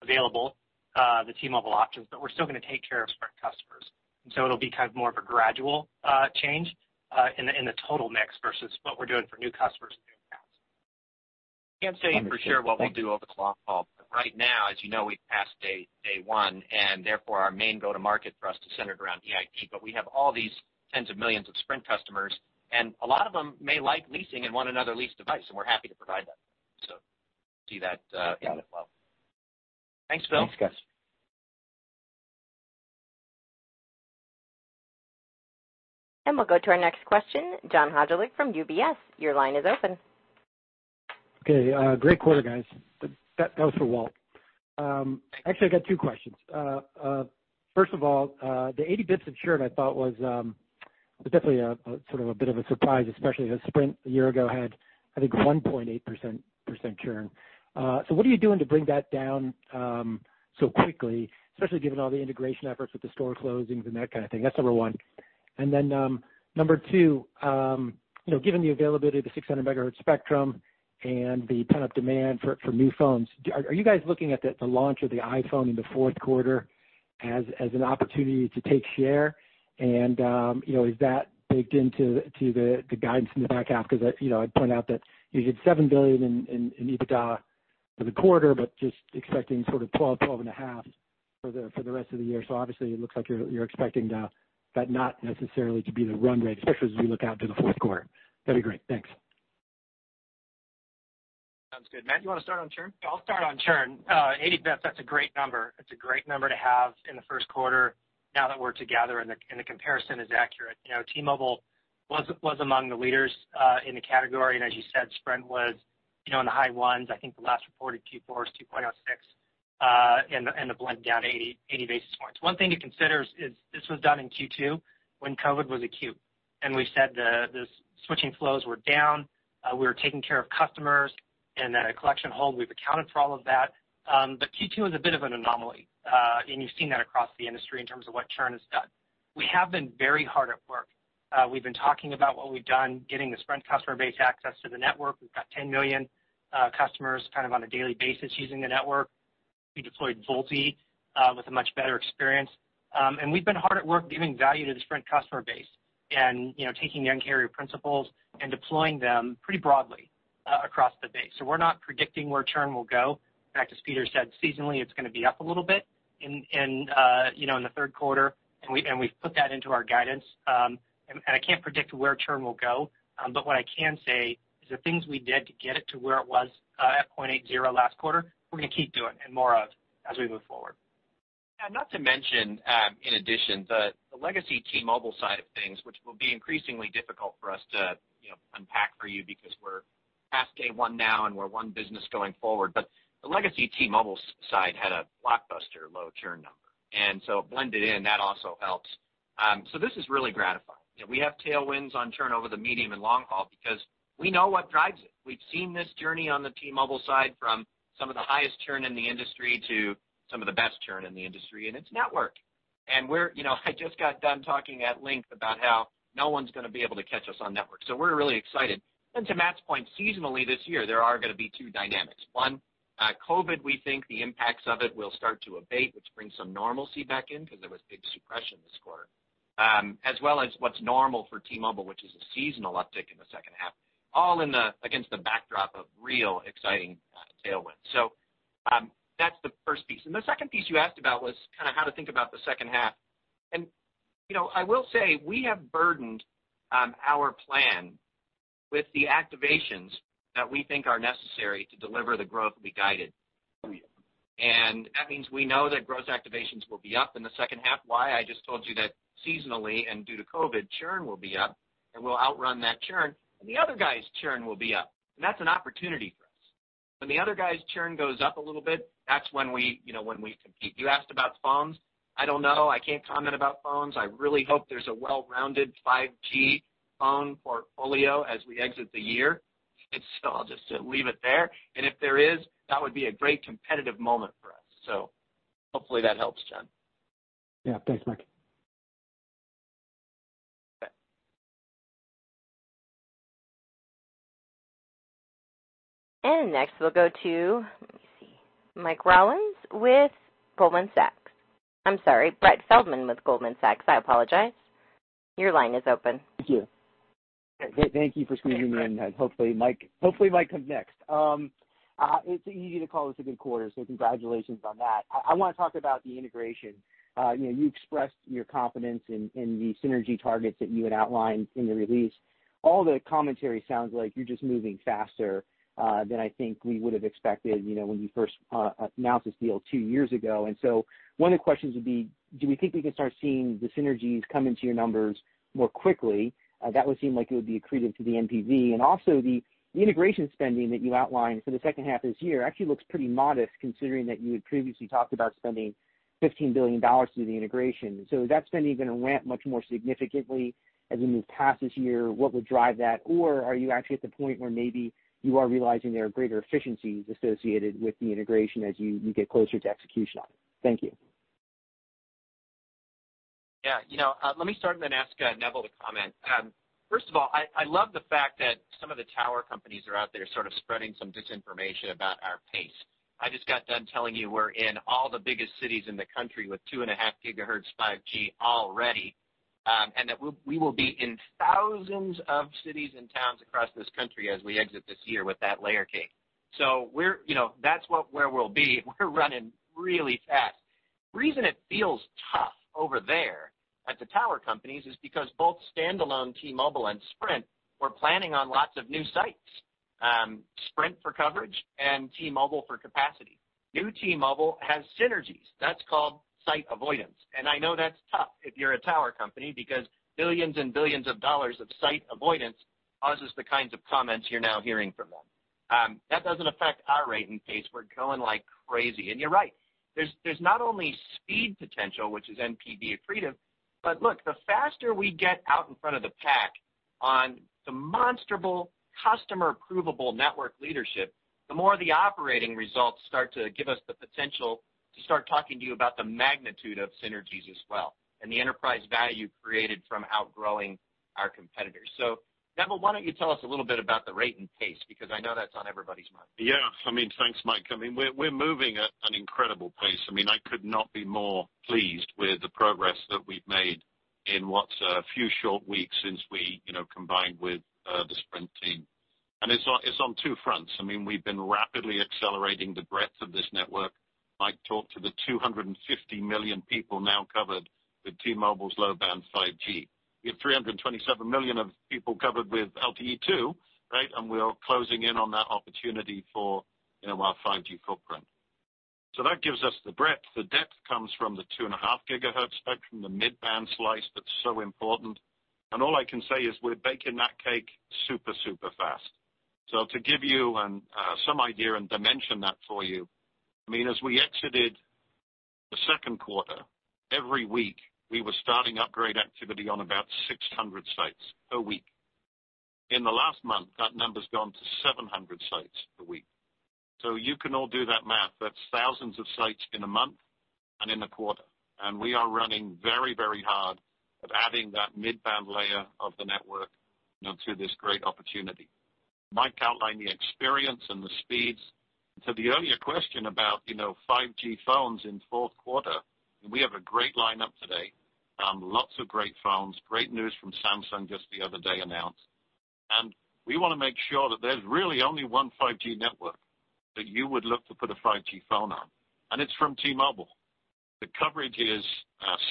available, the T-Mobile options, but we're still going to take care of Sprint customers. It'll be kind of more of a gradual change in the total mix versus what we're doing for new customers and new accounts. Can't say for sure what we'll do over the long haul. Right now, as you know, we've passed day one, and therefore, our main go to market for us is centered around EIP, but we have all these tens of millions of Sprint customers, and a lot of them may like leasing and want another leased device, and we're happy to provide that. You'll see that as well. Got it. Thanks, Philip. We'll go to our next question, John Hodulik from UBS. Your line is open. Okay, great quarter, guys. That was for Walt. Actually, I got two questions. First of all, the 80 basis points of churn I thought was definitely a sort of a bit of a surprise, especially as Sprint a year ago had, I think, 1.8% churn. What are you doing to bring that down so quickly, especially given all the integration efforts with the store closings and that kind of thing? That's number one. Number two, given the availability of the 600 MHz spectrum and the pent-up demand for new phones, are you guys looking at the launch of the iPhone in the fourth quarter as an opportunity to take share? Is that baked into the guidance in the back half? I point out that you did $7 billion in EBITDA for the quarter, but just expecting $12.4-12.5 billion for the rest of the year. Obviously, it looks like you're expecting that not necessarily to be the run rate, especially as we look out to the fourth quarter. That'd be great. Thanks. Sounds good. Matt, you want to start on churn? I'll start on churn. 80 basis points, that's a great number. It's a great number to have in the first quarter now that we're together and the comparison is accurate. T-Mobile was among the leaders in the category. As you said, Sprint was in the high ones. I think the last reported Q4 was 2.06, the blend down 80 basis points. One thing to consider is this was done in Q2 when COVID was acute, we said the switching flows were down. We were taking care of customers then a collection hold. We've accounted for all of that. Q2 is a bit of an anomaly, you've seen that across the industry in terms of what churn has done. We have been very hard at work. We've been talking about what we've done, getting the Sprint customer base access to the network. We've got 10 million customers kind of on a daily basis using the network. We deployed VoLTE with a much better experience. We've been hard at work giving value to the Sprint customer base and taking the Un-carrier principles and deploying them pretty broadly across the base. We're not predicting where churn will go. In fact, as Peter said, seasonally, it's going to be up a little bit in the third quarter, and we've put that into our guidance. I can't predict where churn will go, but what I can say is the things we did to get it to where it was at 0.80 last quarter, we're going to keep doing and more of as we move forward. Not to mention, in addition, the legacy T-Mobile side of things, which will be increasingly difficult for us to unpack for you because we're past day one now and we're one business going forward. The legacy T-Mobile side had a blockbuster low churn number, it blended in. That also helps. This is really gratifying. We have tailwinds on churn over the medium and long haul because we know what drives it. We've seen this journey on the T-Mobile side from some of the highest churn in the industry to some of the best churn in the industry, it's network. I just got done talking at length about how no one's going to be able to catch us on network, we're really excited. To Matt's point, seasonally this year, there are going to be two dynamics. COVID, we think the impacts of it will start to abate, which brings some normalcy back in because there was big suppression this quarter, as well as what's normal for T-Mobile, which is a seasonal uptick in the second half, all against the backdrop of real exciting tailwind. The second piece you asked about was kind of how to think about the second half. I will say, we have burdened our plan with the activations that we think are necessary to deliver the growth we guided for you. That means we know that gross activations will be up in the second half. Why? I just told you that seasonally and due to COVID, churn will be up, and we'll outrun that churn, and the other guy's churn will be up. That's an opportunity for us. When the other guy's churn goes up a little bit, that's when we compete. You asked about phones. I don't know. I can't comment about phones. I really hope there's a well-rounded 5G phone portfolio as we exit the year. I'll just leave it there. If there is, that would be a great competitive moment for us. Hopefully that helps, John. Yeah. Thanks, Mike. Okay. Next, we'll go to, let me see, Michael Rollins with Goldman Sachs. I'm sorry, Brett Feldman with Goldman Sachs. I apologize. Your line is open. Thank you. Thank you for squeezing me in. Hopefully, Mike comes next. It's easy to call this a good quarter, so congratulations on that. I want to talk about the integration. You expressed your confidence in the synergy targets that you had outlined in the release. All the commentary sounds like you're just moving faster than I think we would have expected when you first announced this deal two years ago. One of the questions would be, do we think we can start seeing the synergies come into your numbers more quickly? That would seem like it would be accretive to the NPV. Also, the integration spending that you outlined for the second half of this year actually looks pretty modest considering that you had previously talked about spending $15 billion through the integration. Is that spending going to ramp much more significantly as we move past this year? What would drive that? Are you actually at the point where maybe you are realizing there are greater efficiencies associated with the integration as you get closer to execution on it? Thank you. Let me start and then ask Neville to comment. First of all, I love the fact that some of the tower companies are out there sort of spreading some disinformation about our pace. I just got done telling you we're in all the biggest cities in the country with two and a half gigahertz 5G already, and that we will be in thousands of cities and towns across this country as we exit this year with that layer cake. That's where we'll be. We're running really fast. The reason it feels tough over there at the tower companies is because both standalone T-Mobile and Sprint were planning on lots of new sites. Sprint for coverage and T-Mobile for capacity. New T-Mobile has synergies. That's called site avoidance. I know that's tough if you're a tower company because billions and billions of dollars of site avoidance causes the kinds of comments you're now hearing from them. That doesn't affect our rate and pace. We're going like crazy. You're right. There's not only speed potential, which is NPV accretive. Look, the faster we get out in front of the pack on demonstrable customer provable network leadership, the more the operating results start to give us the potential to start talking to you about the magnitude of synergies as well and the enterprise value created from outgrowing our competitors. Neville, why don't you tell us a little bit about the rate and pace, because I know that's on everybody's mind? Yeah. Thanks, Mike. We're moving at an incredible pace. I could not be more pleased with the progress that we've made in what's a few short weeks since we combined with the Sprint team. It's on two fronts. We've been rapidly accelerating the breadth of this network. Mike talked to the 250 million people now covered with T-Mobile's low-band 5G. We have 327 million of people covered with LTE, right? We are closing in on that opportunity for our 5G footprint. That gives us the breadth. The depth comes from the two and a half gigahertz spectrum, the mid-band slice that's so important. All I can say is we're baking that cake super fast. To give you some idea and dimension that for you, as we exited the second quarter, every week, we were starting upgrade activity on about 600 sites a week. In the last month, that number's gone to 700 sites a week. You can all do that math. That's thousands of sites in a month and in a quarter. We are running very hard at adding that mid-band layer of the network to this great opportunity. Mike outlined the experience and the speeds. To the earlier question about 5G phones in fourth quarter, we have a great lineup today. Lots of great phones. Great news from Samsung just the other day announced. We want to make sure that there's really only one 5G network that you would look to put a 5G phone on, and it's from T-Mobile. The coverage is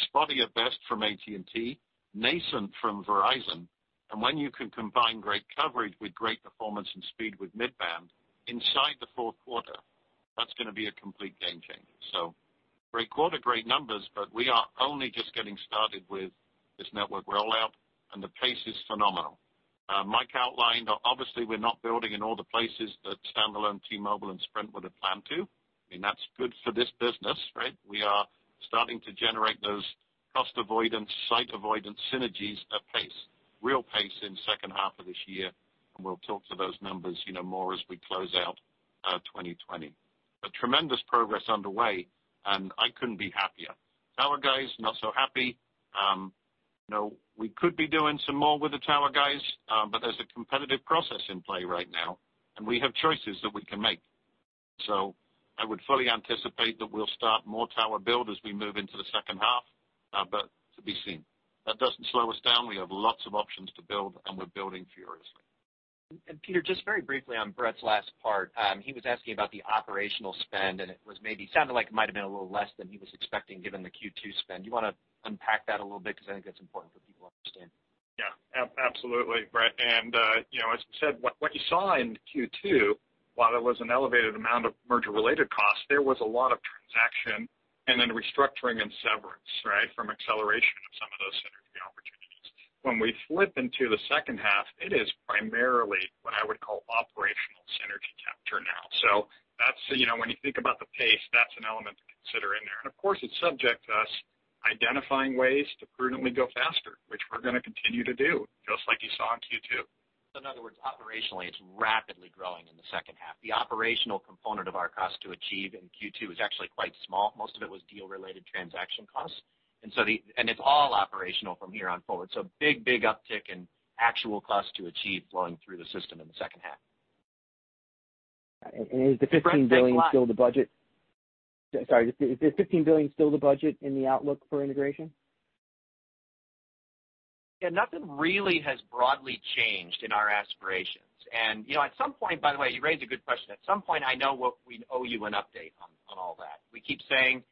spotty at best from AT&T, nascent from Verizon. When you can combine great coverage with great performance and speed with mid-band inside the fourth quarter, that's going to be a complete game changer. Great quarter, great numbers, but we are only just getting started with this network rollout, and the pace is phenomenal. Mike outlined, obviously we're not building in all the places that standalone T-Mobile and Sprint would've planned to. That's good for this business, right? We are starting to generate those cost avoidance, site avoidance synergies at pace, real pace in the second half of this year. We'll talk to those numbers more as we close out 2020. Tremendous progress underway, and I couldn't be happier. Tower guys, not so happy. We could be doing some more with the tower guys, but there's a competitive process in play right now, and we have choices that we can make. I would fully anticipate that we'll start more tower build as we move into the second half, but to be seen. That doesn't slow us down. We have lots of options to build, and we're building furiously. Peter, just very briefly on Brett's last part. He was asking about the operational spend, and it sounded like it might've been a little less than he was expecting given the Q2 spend. You want to unpack that a little bit because I think that's important for people to understand. Yeah. Absolutely, Brett. As you said, what you saw in Q2, while there was an elevated amount of merger-related costs, there was a lot of transaction and then restructuring and severance from acceleration of some of those synergy opportunities. When we flip into the second half, it is primarily what I would call operational synergy capture now. When you think about the pace, that's an element to consider in there. Of course, it's subject to us identifying ways to prudently go faster, which we're going to continue to do, just like you saw in Q2. In other words, operationally, it's rapidly growing in the second half. The operational component of our cost to achieve in Q2 is actually quite small. Most of it was deal-related transaction costs. It's all operational from here on forward. Big uptick in actual cost to achieve flowing through the system in the second half. Is the $15 billion still the budget? Brett, next slide. Sorry. Is the $15 billion still the budget in the outlook for integration? Yeah, nothing really has broadly changed in our aspirations. By the way, you raised a good question. At some point, I know we owe you an update on all that. We keep saying,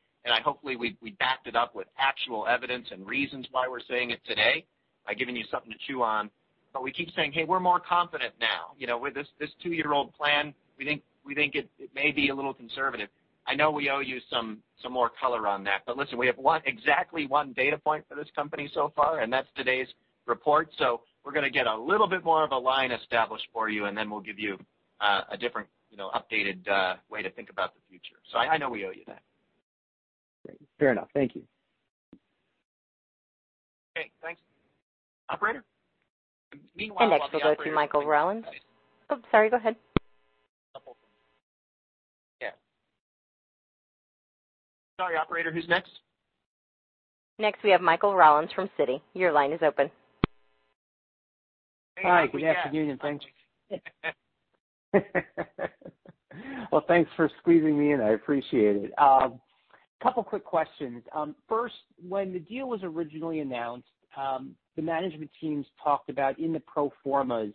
hopefully we backed it up with actual evidence and reasons why we're saying it today by giving you something to chew on. We keep saying, "Hey, we're more confident now." With this two-year-old plan, we think it may be a little conservative. I know we owe you some more color on that. Listen, we have exactly one data point for this company so far, and that's today's report. We're going to get a little bit more of a line established for you, and then we'll give you a different updated way to think about the future. I know we owe you that. Great. Fair enough. Thank you. Okay. Thanks. Operator. Meanwhile. Next, we'll go to Michael Rollins. Oh, sorry. Go ahead. No problem. Yeah. Sorry, operator, who's next? Next, we have Michael Rollins from Citi. Your line is open. Hey, Mike. Hi, good afternoon. Thanks. Well, thanks for squeezing me in. I appreciate it. Couple quick questions. First, when the deal was originally announced, the management teams talked about in the pro formas,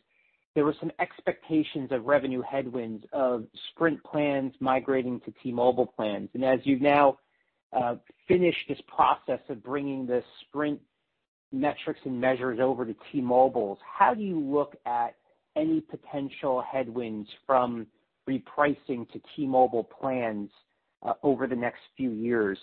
there were some expectations of revenue headwinds of Sprint plans migrating to T-Mobile plans. As you've now finished this process of bringing the Sprint metrics and measures over to T-Mobile's, how do you look at any potential headwinds from repricing to T-Mobile plans over the next few years?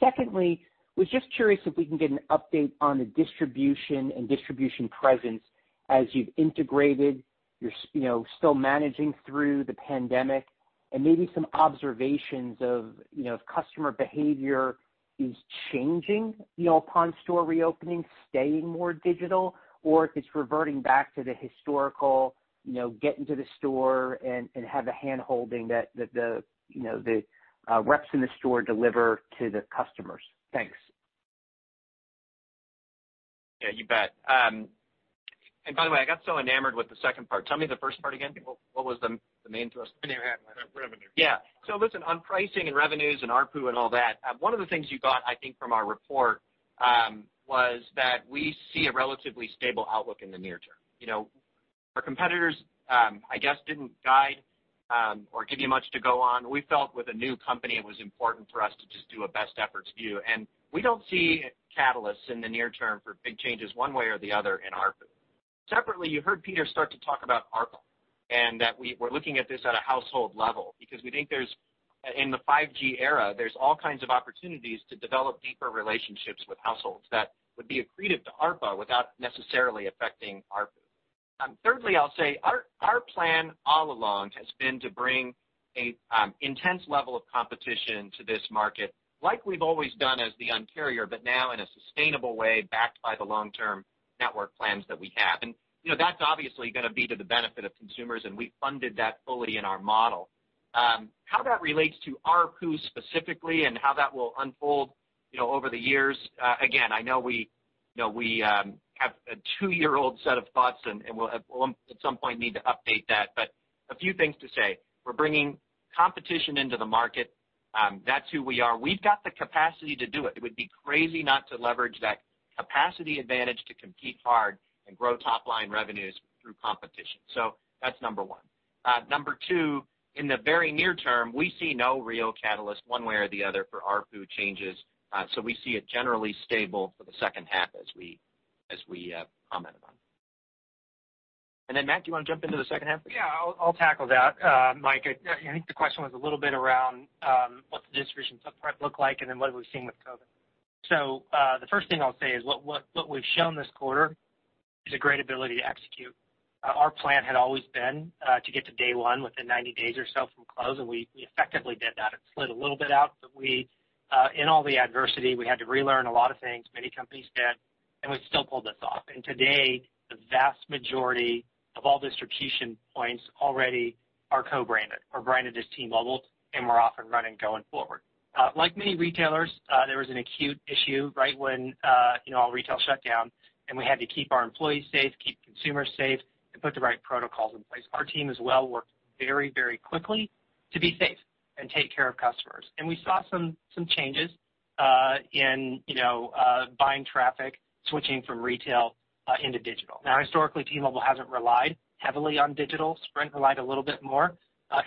Secondly, was just curious if we can get an update on the distribution and distribution presence as you've integrated, you're still managing through the pandemic, and maybe some observations of if customer behavior is changing upon store reopening, staying more digital, or if it's reverting back to the historical get into the store and have the handholding that the reps in the store deliver to the customers. Thanks. Yeah, you bet. By the way, I got so enamored with the second part. Tell me the first part again. What was the main thrust? Revenue. Listen, on pricing and revenues and ARPU and all that, one of the things you got, I think, from our report, was that we see a relatively stable outlook in the near term. Our competitors I guess didn't guide or give you much to go on. We felt with a new company, it was important for us to just do a best efforts view. We don't see catalysts in the near term for big changes one way or the other in ARPU. Separately, you heard Peter start to talk about ARPA, and that we're looking at this at a household level because we think in the 5G era, there's all kinds of opportunities to develop deeper relationships with households that would be accretive to ARPA without necessarily affecting ARPU. Thirdly, I'll say our plan all along has been to bring an intense level of competition to this market, like we've always done as the Un-carrier, but now in a sustainable way, backed by the long-term network plans that we have. That's obviously going to be to the benefit of consumers, and we funded that fully in our model. How that relates to ARPU specifically and how that will unfold over the years, again, I know we have a two-year-old set of thoughts, and we'll at some point need to update that. A few things to say. We're bringing competition into the market. That's who we are. We've got the capacity to do it. It would be crazy not to leverage that capacity advantage to compete hard and grow top-line revenues through competition. That's number 1. Number two, in the very near term, we see no real catalyst one way or the other for ARPU changes. We see it generally stable for the second half as we commented on. Matt, do you want to jump into the second half? Yeah, I'll tackle that. Mike, I think the question was a little bit around what the distribution footprint look like, and then what have we seen with COVID. The first thing I'll say is what we've shown this quarter is a great ability to execute. Our plan had always been to get to day one within 90 days or so from close, and we effectively did that. It slid a little bit out, but in all the adversity, we had to relearn a lot of things, many companies did, and we still pulled this off. Today, the vast majority of all distribution points already are co-branded or branded as T-Mobile, and we're off and running going forward. Like many retailers, there was an acute issue right when all retail shut down, and we had to keep our employees safe, keep consumers safe, and put the right protocols in place. Our team as well worked very quickly to be safe and take care of customers. We saw some changes in buying traffic, switching from retail into digital. Now, historically, T-Mobile hasn't relied heavily on digital. Sprint relied a little bit more.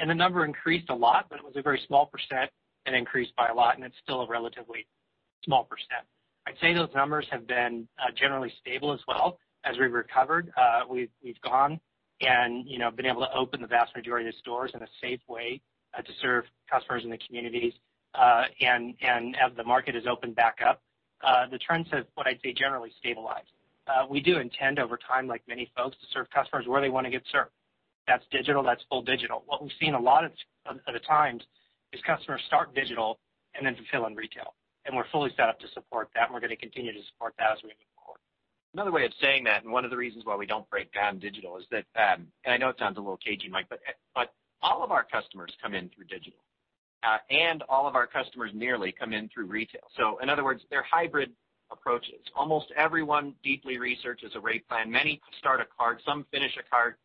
The number increased a lot, but it was a very small percent. It increased by a lot, and it's still a relatively small percent. I'd say those numbers have been generally stable as well as we recovered. We've gone and been able to open the vast majority of stores in a safe way to serve customers in the communities. As the market has opened back up, the trends have, what I'd say, generally stabilized. We do intend over time, like many folks, to serve customers where they want to get served. That's digital, that's full digital. What we've seen a lot of the times is customers start digital and then fulfill in retail, and we're fully set up to support that, and we're going to continue to support that as we move forward. Another way of saying that, and one of the reasons why we don't break down digital is that, and I know it sounds a little cagey, Mike, but all of our customers come in through digital. All of our customers nearly come in through retail. In other words, they're hybrid approaches. Almost everyone deeply researches a rate plan. Many start a cart, some finish a cart.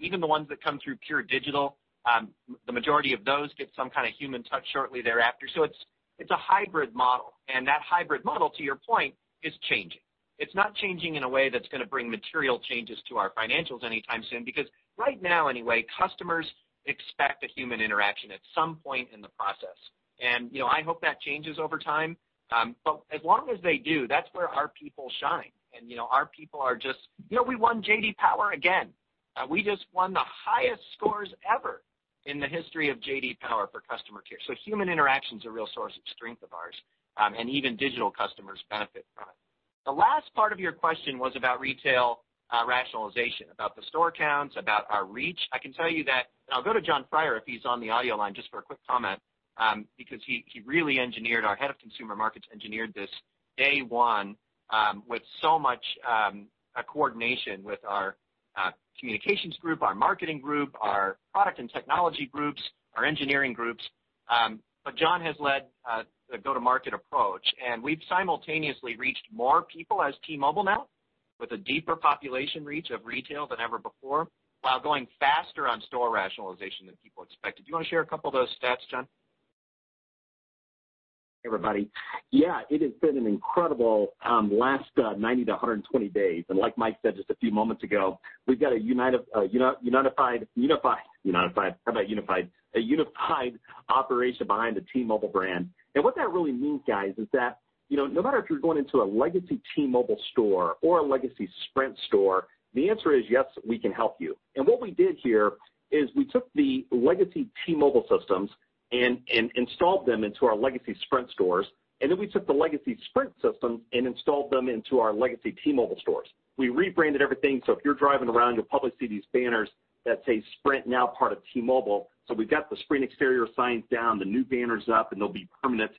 Even the ones that come through pure digital, the majority of those get some kind of human touch shortly thereafter. It's a hybrid model, and that hybrid model, to your point, is changing. It's not changing in a way that's going to bring material changes to our financials anytime soon, because right now, anyway, customers expect a human interaction at some point in the process. I hope that changes over time. As long as they do, that's where our people shine, and our people we won J.D. Power again. We just won the highest scores ever in the history of J.D. Power for customer care. Human interaction is a real source of strength of ours. Even digital customers benefit from it. The last part of your question was about retail rationalization, about the store counts, about our reach. I can tell you that I'll go to Jon Freier if he's on the audio line just for a quick comment because he really engineered, our head of consumer markets engineered this day one with so much coordination with our communications group, our marketing group, our product and technology groups, our engineering groups. Jon has led a go-to-market approach, and we've simultaneously reached more people as T-Mobile now with a deeper population reach of retail than ever before while going faster on store rationalization than people expected. Do you want to share a couple of those stats, Jon? Hey, everybody. It has been an incredible last 90-120 days. Like Mike said just a few moments ago, we've got a unified operation behind the T-Mobile brand. What that really means, guys, is that no matter if you're going into a legacy T-Mobile store or a legacy Sprint store, the answer is, yes, we can help you. What we did here is we took the legacy T-Mobile systems and installed them into our legacy Sprint stores, and then we took the legacy Sprint systems and installed them into our legacy T-Mobile stores. We rebranded everything, so if you're driving around, you'll probably see these banners that say, "Sprint, now part of T-Mobile." We've got the Sprint exterior signs down, the new banners up, and there'll be permanent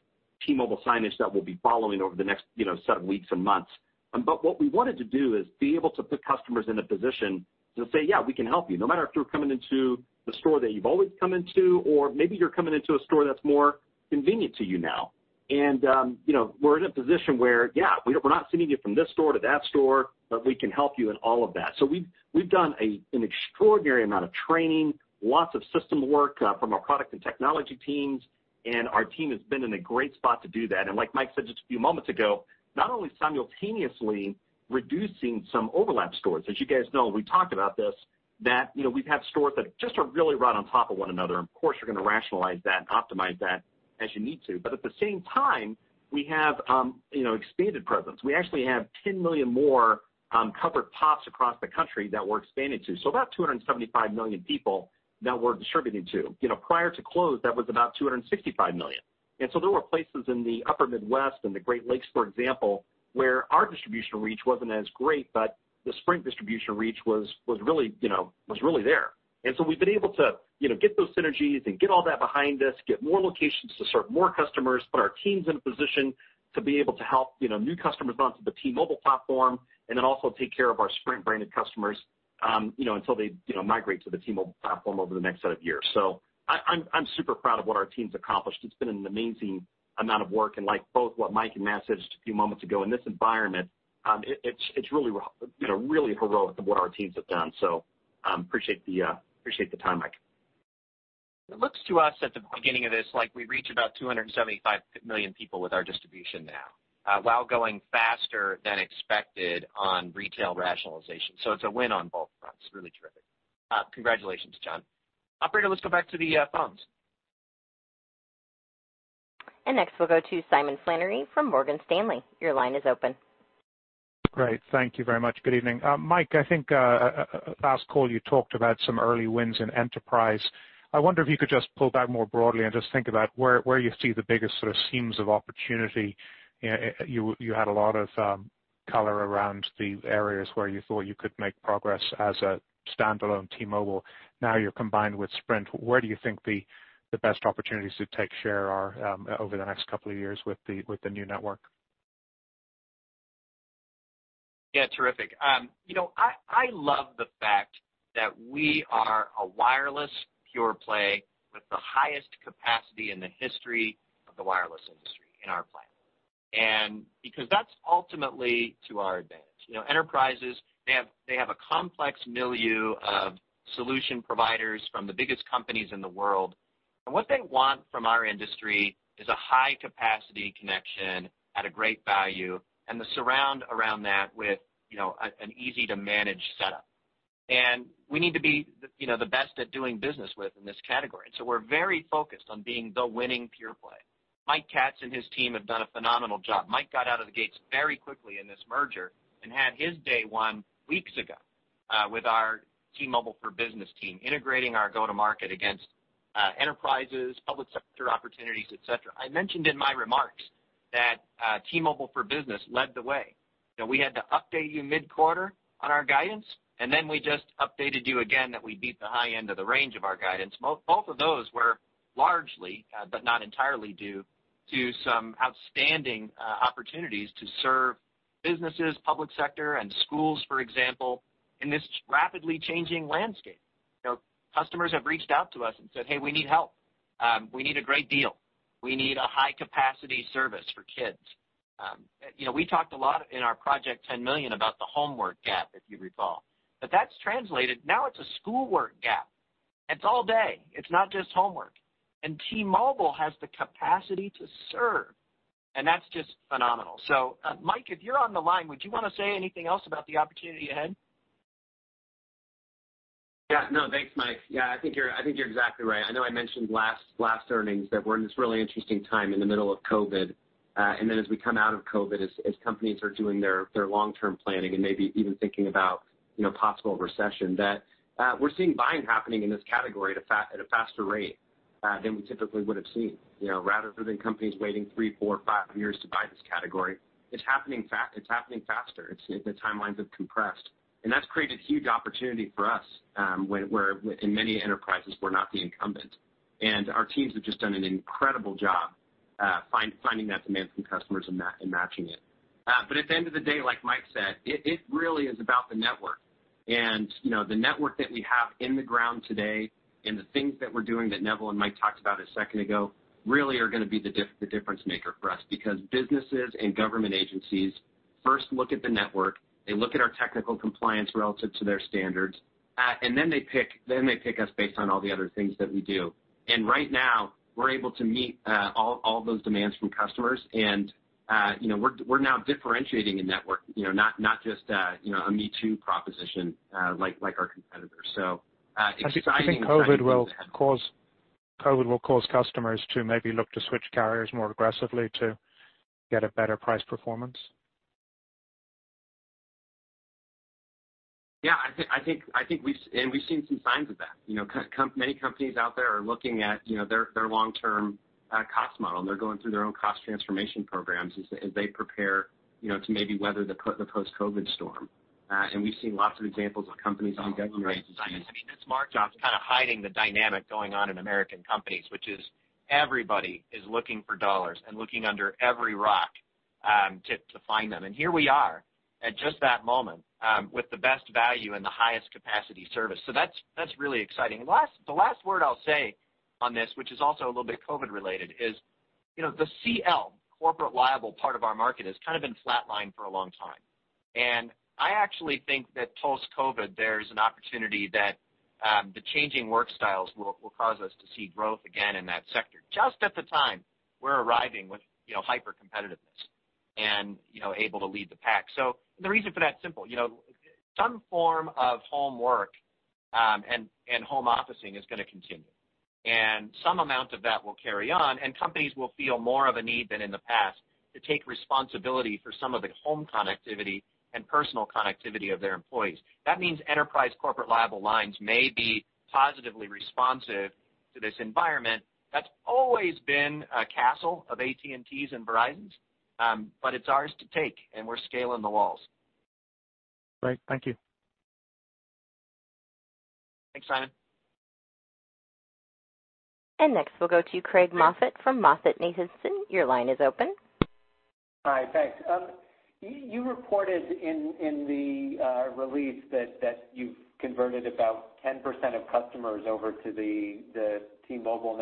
T-Mobile signage that we'll be following over the next seven weeks and months. What we wanted to do is be able to put customers in a position to say, "Yeah, we can help you." No matter if you're coming into the store that you've always come into, or maybe you're coming into a store that's more convenient to you now. We're in a position where, yeah, we're not sending you from this store to that store, but we can help you in all of that. We've done an extraordinary amount of training, lots of system work from our product and technology teams, and our team has been in a great spot to do that. Like Mike said just a few moments ago, not only simultaneously reducing some overlap stores. As you guys know, we talked about this That we have stores that just are really right on top of one another, and of course, we're going to rationalize that and optimize that as you need to. At the same time, we have expanded presence. We actually have 10 million more covered POPs across the country that we're expanding to. About 275 million people that we're distributing to. Prior to close, that was about 265 million. There were places in the upper Midwest and the Great Lakes, for example, where our distribution reach wasn't as great, but the Sprint distribution reach was really there. We've been able to get those synergies and get all that behind us, get more locations to serve more customers, put our teams in a position to be able to help new customers onto the T-Mobile platform, and then also take care of our Sprint-branded customers, until they migrate to the T-Mobile platform over the next set of years. I'm super proud of what our team's accomplished. It's been an amazing amount of work, and like both what Mike and Matt said just a few moments ago, in this environment, it's really heroic of what our teams have done. Appreciate the time, Mike. It looks to us at the beginning of this, like we reach about 275 million people with our distribution now, while going faster than expected on retail rationalization. It's a win on both fronts. Really terrific. Congratulations, Jon. Operator, let's go back to the phones. Next, we'll go to Simon Flannery from Morgan Stanley. Your line is open. Great. Thank you very much. Good evening. Mike, I think last call you talked about some early wins in enterprise. I wonder if you could just pull back more broadly and just think about where you see the biggest sort of seams of opportunity. You had a lot of color around the areas where you thought you could make progress as a standalone T-Mobile. Now you're combined with Sprint. Where do you think the best opportunities to take share are over the next couple of years with the new network? Yeah, terrific. I love the fact that we are a wireless pure play with the highest capacity in the history of the wireless industry in our plan. Because that's ultimately to our advantage. Enterprises, they have a complex milieu of solution providers from the biggest companies in the world. What they want from our industry is a high capacity connection at a great value and the surround around that with an easy-to-manage setup. We need to be the best at doing business with in this category. We're very focused on being the winning pure play. Mike Katz and his team have done a phenomenal job. Mike got out of the gates very quickly in this merger and had his day one weeks ago, with our T-Mobile for Business team, integrating our go-to-market against enterprises, public sector opportunities, et cetera. I mentioned in my remarks that T-Mobile for Business led the way. We had to update you mid-quarter on our guidance, and then we just updated you again that we beat the high end of the range of our guidance. Both of those were largely, but not entirely due to some outstanding opportunities to serve businesses, public sector, and schools, for example, in this rapidly changing landscape. Customers have reached out to us and said, "Hey, we need help. We need a great deal. We need a high capacity service for kids." We talked a lot in our Project 10Million about the homework gap, if you recall. That's translated. Now it's a schoolwork gap. It's all day. It's not just homework. T-Mobile has the capacity to serve, and that's just phenomenal. Mike, if you're on the line, would you want to say anything else about the opportunity ahead? Yeah. No, thanks, Mike. I think you're exactly right. I know I mentioned last earnings that we're in this really interesting time in the middle of COVID. As we come out of COVID, as companies are doing their long-term planning and maybe even thinking about possible recession, that we're seeing buying happening in this category at a faster rate than we typically would have seen. Rather than companies waiting three, four, five years to buy this category, it's happening faster. The timelines have compressed. That's created huge opportunity for us, where in many enterprises, we're not the incumbent. Our teams have just done an incredible job finding that demand from customers and matching it. At the end of the day, like Mike said, it really is about the network. The network that we have in the ground today and the things that we're doing that Neville and Mike talked about a second ago really are going to be the difference maker for us because businesses and government agencies first look at the network, they look at our technical compliance relative to their standards, and then they pick us based on all the other things that we do. Right now, we're able to meet all those demands from customers, and we're now differentiating a network, not just a me-too proposition like our competitors. Do you think COVID will cause customers to maybe look to switch carriers more aggressively to get a better price performance? Yeah, we've seen some signs of that. Many companies out there are looking at their long-term cost model, and they're going through their own cost transformation programs as they prepare to maybe weather the post-COVID storm. We've seen lots of examples of companies and government agencies. This margin is kind of hiding the dynamic going on in American companies, which is everybody is looking for dollars and looking under every rock to find them. Here we are at just that moment with the best value and the highest capacity service. That's really exciting. The last word I'll say on this, which is also a little bit COVID related, is the CL, corporate liable part of our market has kind of been flatlined for a long time. I actually think that post-COVID, there's an opportunity that the changing work styles will cause us to see growth again in that sector, just at the time we're arriving with hyper-competitiveness and able to lead the pack. The reason for that's simple. Some form of home work and home officing is going to continue. Some amount of that will carry on, and companies will feel more of a need than in the past to take responsibility for some of the home connectivity and personal connectivity of their employees. That means enterprise corporate liable lines may be positively responsive to this environment. That's always been a castle of AT&T's and Verizon's, but it's ours to take. We're scaling the walls. Great. Thank you. Thanks, Simon. Next, we'll go to Craig Moffett from MoffettNathanson. Your line is open. Hi. Thanks. You reported in the release that you've converted about 10% of Sprint customers over to the T-Mobile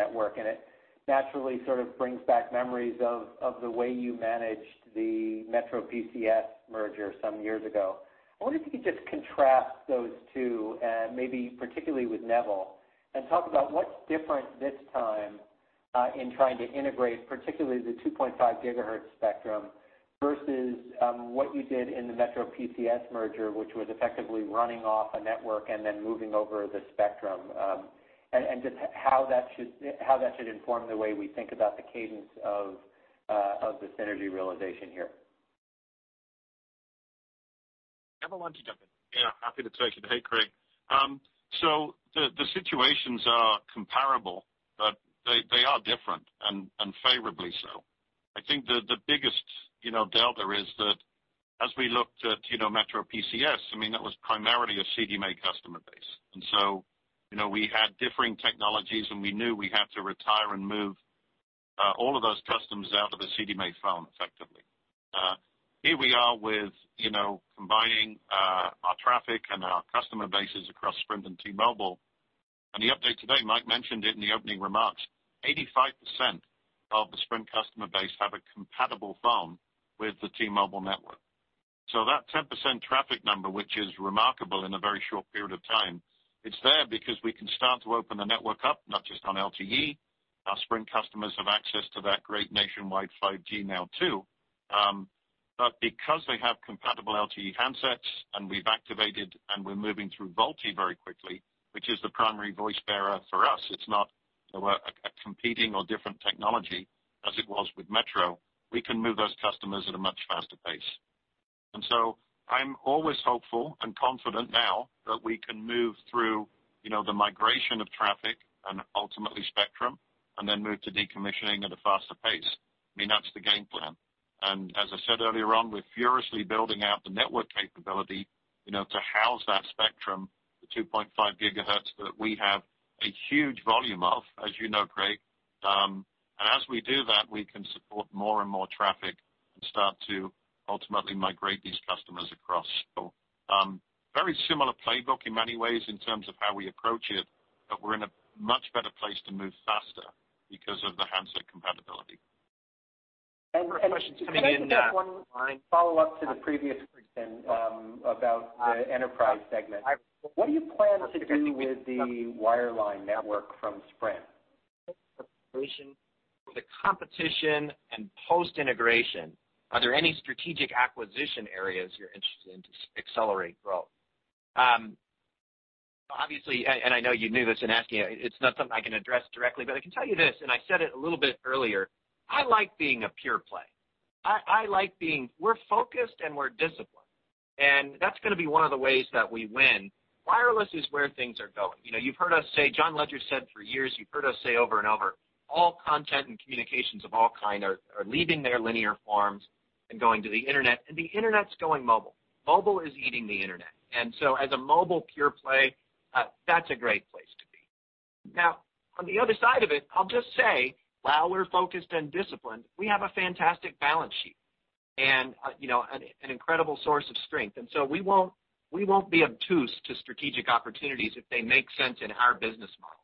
network, it naturally sort of brings back memories of the way you managed the MetroPCS merger some years ago. I wonder if you could just contrast those two, and maybe particularly with Neville, and talk about what's different this time, in trying to integrate particularly the 2.5 gigahertz spectrum versus what you did in the MetroPCS merger, which was effectively running off a network and then moving over the spectrum. Just how that should inform the way we think about the cadence of this synergy realization here. Neville, why don't you jump in? Happy to take it. Hey, Craig. The situations are comparable, but they are different and favorably so. I think the biggest delta is that as we looked at MetroPCS, I mean, that was primarily a CDMA customer base. We had differing technologies, and we knew we had to retire and move all of those customers out of a CDMA phone effectively. Here we are with combining our traffic and our customer bases across Sprint and T-Mobile. The update today, Mike mentioned it in the opening remarks, 85% of the Sprint customer base have a compatible phone with the T-Mobile network. That 10% traffic number, which is remarkable in a very short period of time, it's there because we can start to open the network up, not just on LTE. Our Sprint customers have access to that great nationwide 5G now too. Because they have compatible LTE handsets and we've activated and we're moving through VoLTE very quickly, which is the primary voice bearer for us, it's not a competing or different technology as it was with Metro, we can move those customers at a much faster pace. I'm always hopeful and confident now that we can move through the migration of traffic and ultimately spectrum, and then move to decommissioning at a faster pace. I mean, that's the game plan. As I said earlier on, we're furiously building out the network capability to house that spectrum, the 2.5 gigahertz that we have a huge volume of, as you know, Craig. As we do that, we can support more and more traffic and start to ultimately migrate these customers across. Very similar playbook in many ways in terms of how we approach it, but we're in a much better place to move faster because of the handset compatibility. Can I add one follow-up to the previous question about the enterprise segment? What do you plan to do with the wireline network from Sprint? With the competition and post-integration, are there any strategic acquisition areas you're interested in to accelerate growth? Obviously, and I know you knew this in asking it's not something I can address directly. I can tell you this, and I said it a little bit earlier, I like being a pure play. We're focused, and we're disciplined. That's going to be one of the ways that we win. Wireless is where things are going. You've heard us say, John Legere said for years, you've heard us say over and over, all content and communications of all kind are leaving their linear forms and going to the Internet, and the Internet's going mobile. Mobile is eating the Internet. As a mobile pure play, that's a great place to be. On the other side of it, I'll just say, while we're focused and disciplined, we have a fantastic balance sheet and an incredible source of strength. We won't be obtuse to strategic opportunities if they make sense in our business model.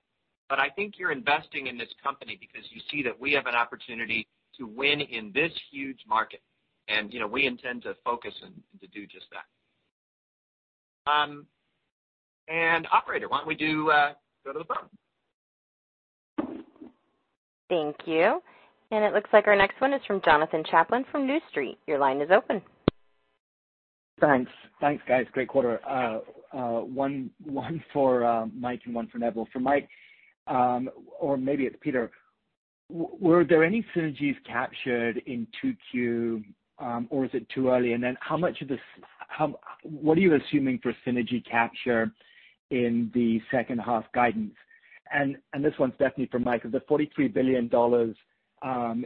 I think you're investing in this company because you see that we have an opportunity to win in this huge market. We intend to focus and to do just that. Operator, why don't we go to the phone? Thank you. It looks like our next one is from Jonathan Chaplin from New Street. Your line is open. Thanks. Thanks, guys. Great quarter. One for Mike and one for Neville. For Mike, or maybe it's Peter, were there any synergies captured in 2Q, or is it too early? What are you assuming for synergy capture in the second half guidance? This one's definitely for Mike, because the $43 billion,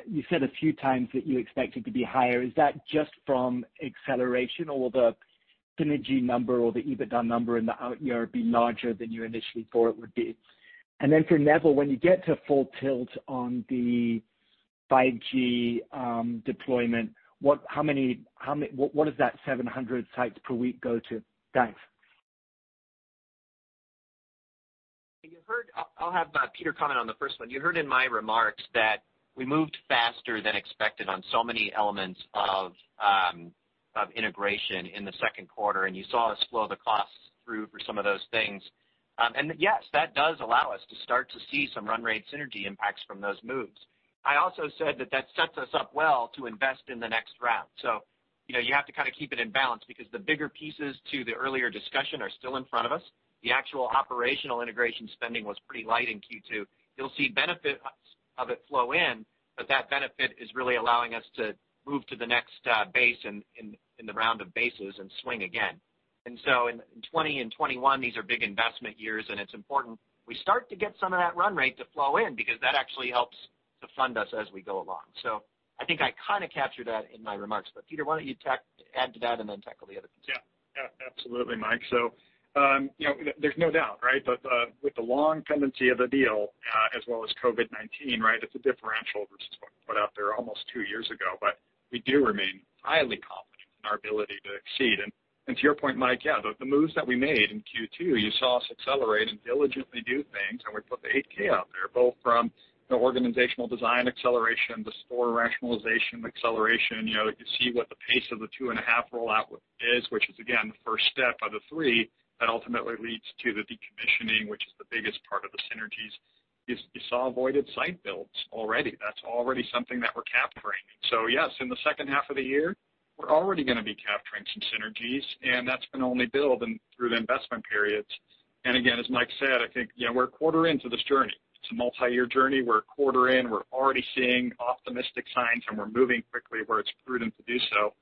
you said a few times that you expect it to be higher. Is that just from acceleration or will the synergy number or the EBITDA number in the out year be larger than you initially thought it would be? For Neville, when you get to full tilt on the 5G deployment, what does that 700 sites per week go to? Thanks. I'll have Peter comment on the first one. You heard in my remarks that we moved faster than expected on so many elements of integration in the second quarter, you saw us flow the costs through for some of those things. Yes, that does allow us to start to see some run rate synergy impacts from those moves. I also said that that sets us up well to invest in the next round. You have to kind of keep it in balance because the bigger pieces to the earlier discussion are still in front of us. The actual operational integration spending was pretty light in Q2. You'll see benefits of it flow in, that benefit is really allowing us to move to the next base in the round of bases and swing again and 2021, these are big investment years, and it's important we start to get some of that run rate to flow in because that actually helps to fund us as we go along. I think I kind of captured that in my remarks. Peter, why don't you add to that and then tackle the other piece? Yeah. Absolutely, Mike. There's no doubt. With the long tendency of the deal, as well as COVID-19, it's a differential versus what was put out there almost two years ago. We do remain highly confident in our ability to exceed. To your point, Mike, yeah, the moves that we made in Q2, you saw us accelerate and diligently do things, and we put the 8-K out there, both from the organizational design acceleration, the store rationalization acceleration. You see what the pace of the 2.5 rollout is, which is again, the first step of the three that ultimately leads to the decommissioning, which is the biggest part of the synergies. You saw avoided site builds already. That's already something that we're capturing. Yes, in the second half of the year, we're already going to be capturing some synergies, and that's going to only build through the investment periods. Again, as Mike said, I think, yeah, we're a quarter into this journey. It's a multi-year journey. We're a quarter in. We're already seeing optimistic signs, and we're moving quickly where it's prudent to do so.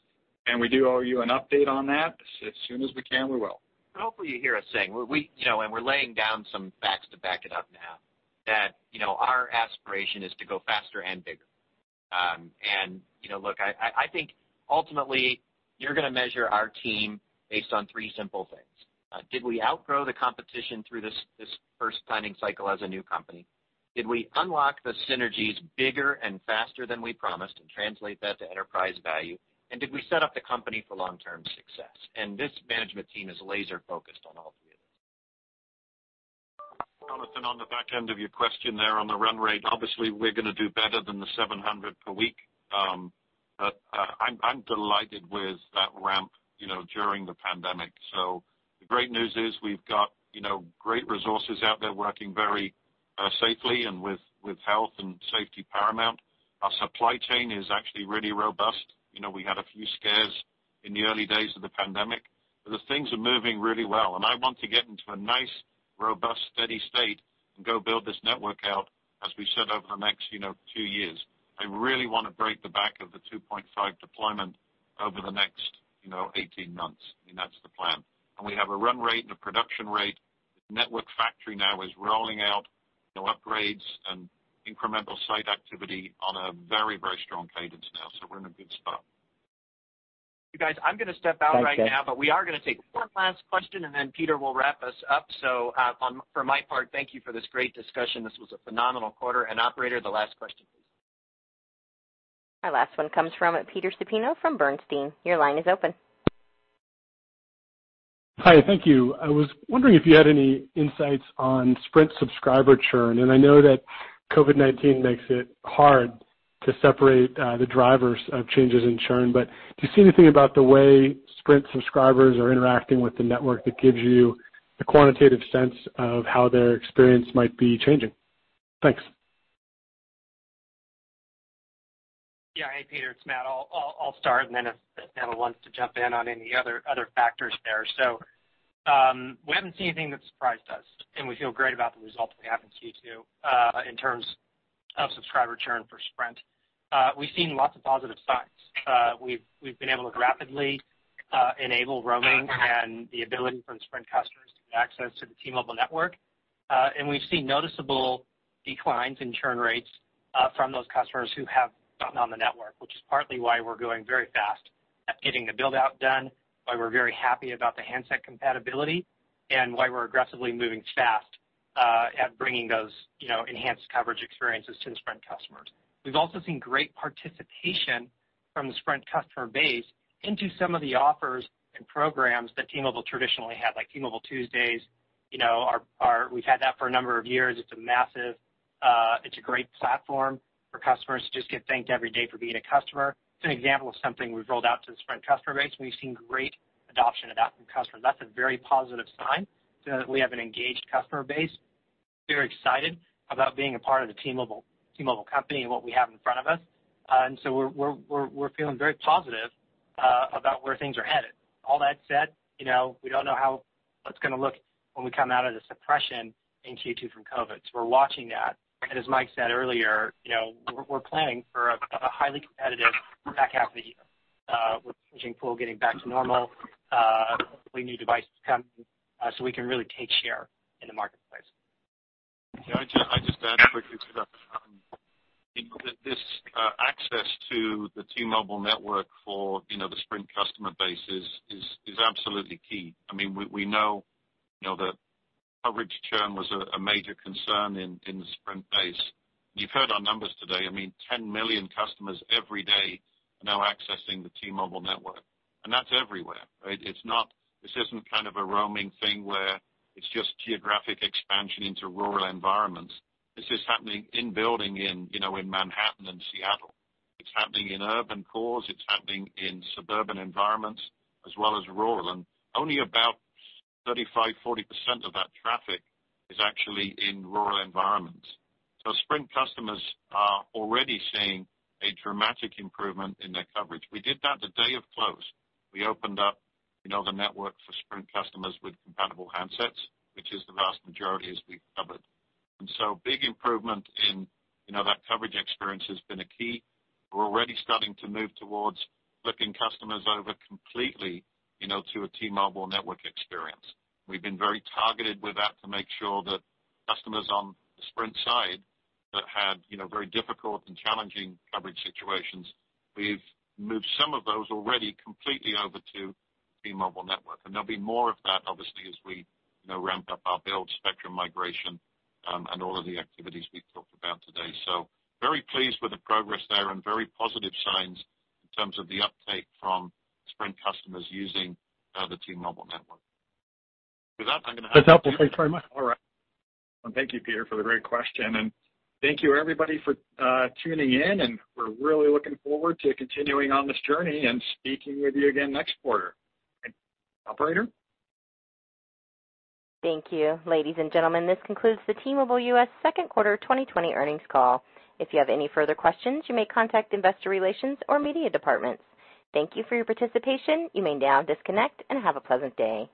We do owe you an update on that. As soon as we can, we will. Hopefully you hear us saying, and we're laying down some facts to back it up now, that our aspiration is to go faster and bigger. Look, I think ultimately, you're going to measure our team based on three simple things. Did we outgrow the competition through this first planning cycle as a new company? Did we unlock the synergies bigger and faster than we promised and translate that to enterprise value? Did we set up the company for long-term success? This management team is laser-focused on all three of those. Jonathan, on the back end of your question there on the run rate, obviously, we're going to do better than the 700 per week. I'm delighted with that ramp during the pandemic. The great news is we've got great resources out there working very safely and with health and safety paramount. Our supply chain is actually really robust. We had a few scares in the early days of the pandemic, but the things are moving really well. I want to get into a nice, robust, steady state and go build this network out, as we said, over the next two years. I really want to break the back of the 2.5 deployment over the next 18 months, and that's the plan. We have a run rate and a production rate. The network factory now is rolling out upgrades and incremental site activity on a very strong cadence now. We're in a good spot. You guys, I'm going to step out right now. Thank you. We are going to take one last question, and then Peter will wrap us up. For my part, thank you for this great discussion. This was a phenomenal quarter. Operator, the last question, please. Our last one comes from Peter Supino from Bernstein. Your line is open. Hi. Thank you. I was wondering if you had any insights on Sprint subscriber churn. I know that COVID-19 makes it hard to separate the drivers of changes in churn. Do you see anything about the way Sprint subscribers are interacting with the network that gives you a quantitative sense of how their experience might be changing? Thanks. Hey, Peter, it's Matt. I'll start. If Neville wants to jump in on any other factors there. We haven't seen anything that surprised us. We feel great about the results we have in Q2, in terms of subscriber churn for Sprint. We've seen lots of positive signs. We've been able to rapidly enable roaming and the ability from Sprint customers to get access to the T-Mobile network. We've seen noticeable declines in churn rates from those customers who have gotten on the network, which is partly why we're going very fast at getting the build-out done, why we're very happy about the handset compatibility, and why we're aggressively moving fast at bringing those enhanced coverage experiences to the Sprint customers. We've also seen great participation from the Sprint customer base into some of the offers and programs that T-Mobile traditionally had, like T-Mobile Tuesdays. We've had that for a number of years. It's a great platform for customers to just get thanked every day for being a customer. It's an example of something we've rolled out to the Sprint customer base, and we've seen great adoption of that from customers. That's a very positive sign that we have an engaged customer base, very excited about being a part of the T-Mobile company and what we have in front of us. We're feeling very positive about where things are headed. All that said, we don't know how it's going to look when we come out of the suppression in Q2 from COVID. We're watching that. As Mike said earlier, we're planning for a highly competitive back half of the year with the switching pool getting back to normal, hopefully new devices coming, so we can really take share in the marketplace. Yeah. I'd just add quickly to that. This access to the T-Mobile network for the Sprint customer base is absolutely key. We know that coverage churn was a major concern in the Sprint base. You've heard our numbers today. 10 million customers every day are now accessing the T-Mobile network. That's everywhere. This isn't kind of a roaming thing where it's just geographic expansion into rural environments. This is happening in building in Manhattan and Seattle. It's happening in urban cores. It's happening in suburban environments as well as rural. Only about 35%-40% of that traffic is actually in rural environments. Sprint customers are already seeing a dramatic improvement in their coverage. We did that the day of close. We opened up the network for Sprint customers with compatible handsets, which is the vast majority as we've covered. Big improvement in that coverage experience has been a key. We're already starting to move towards flipping customers over completely to a T-Mobile network experience. We've been very targeted with that to make sure that customers on the Sprint side that had very difficult and challenging coverage situations, we've moved some of those already completely over to T-Mobile network. There'll be more of that, obviously, as we ramp up our build spectrum migration, and all of the activities we've talked about today. Very pleased with the progress there and very positive signs in terms of the uptake from Sprint customers using the T-Mobile network. With that, I'm going to hand it back to Peter. That's helpful. Thanks very much. All right. Thank you, Peter, for the great question. Thank you, everybody, for tuning in, and we're really looking forward to continuing on this journey and speaking with you again next quarter. Operator? Thank you. Ladies and gentlemen, this concludes the T-Mobile US second quarter 2020 earnings call. If you have any further questions, you may contact investor relations or media departments. Thank you for your participation. You may now disconnect and have a pleasant day.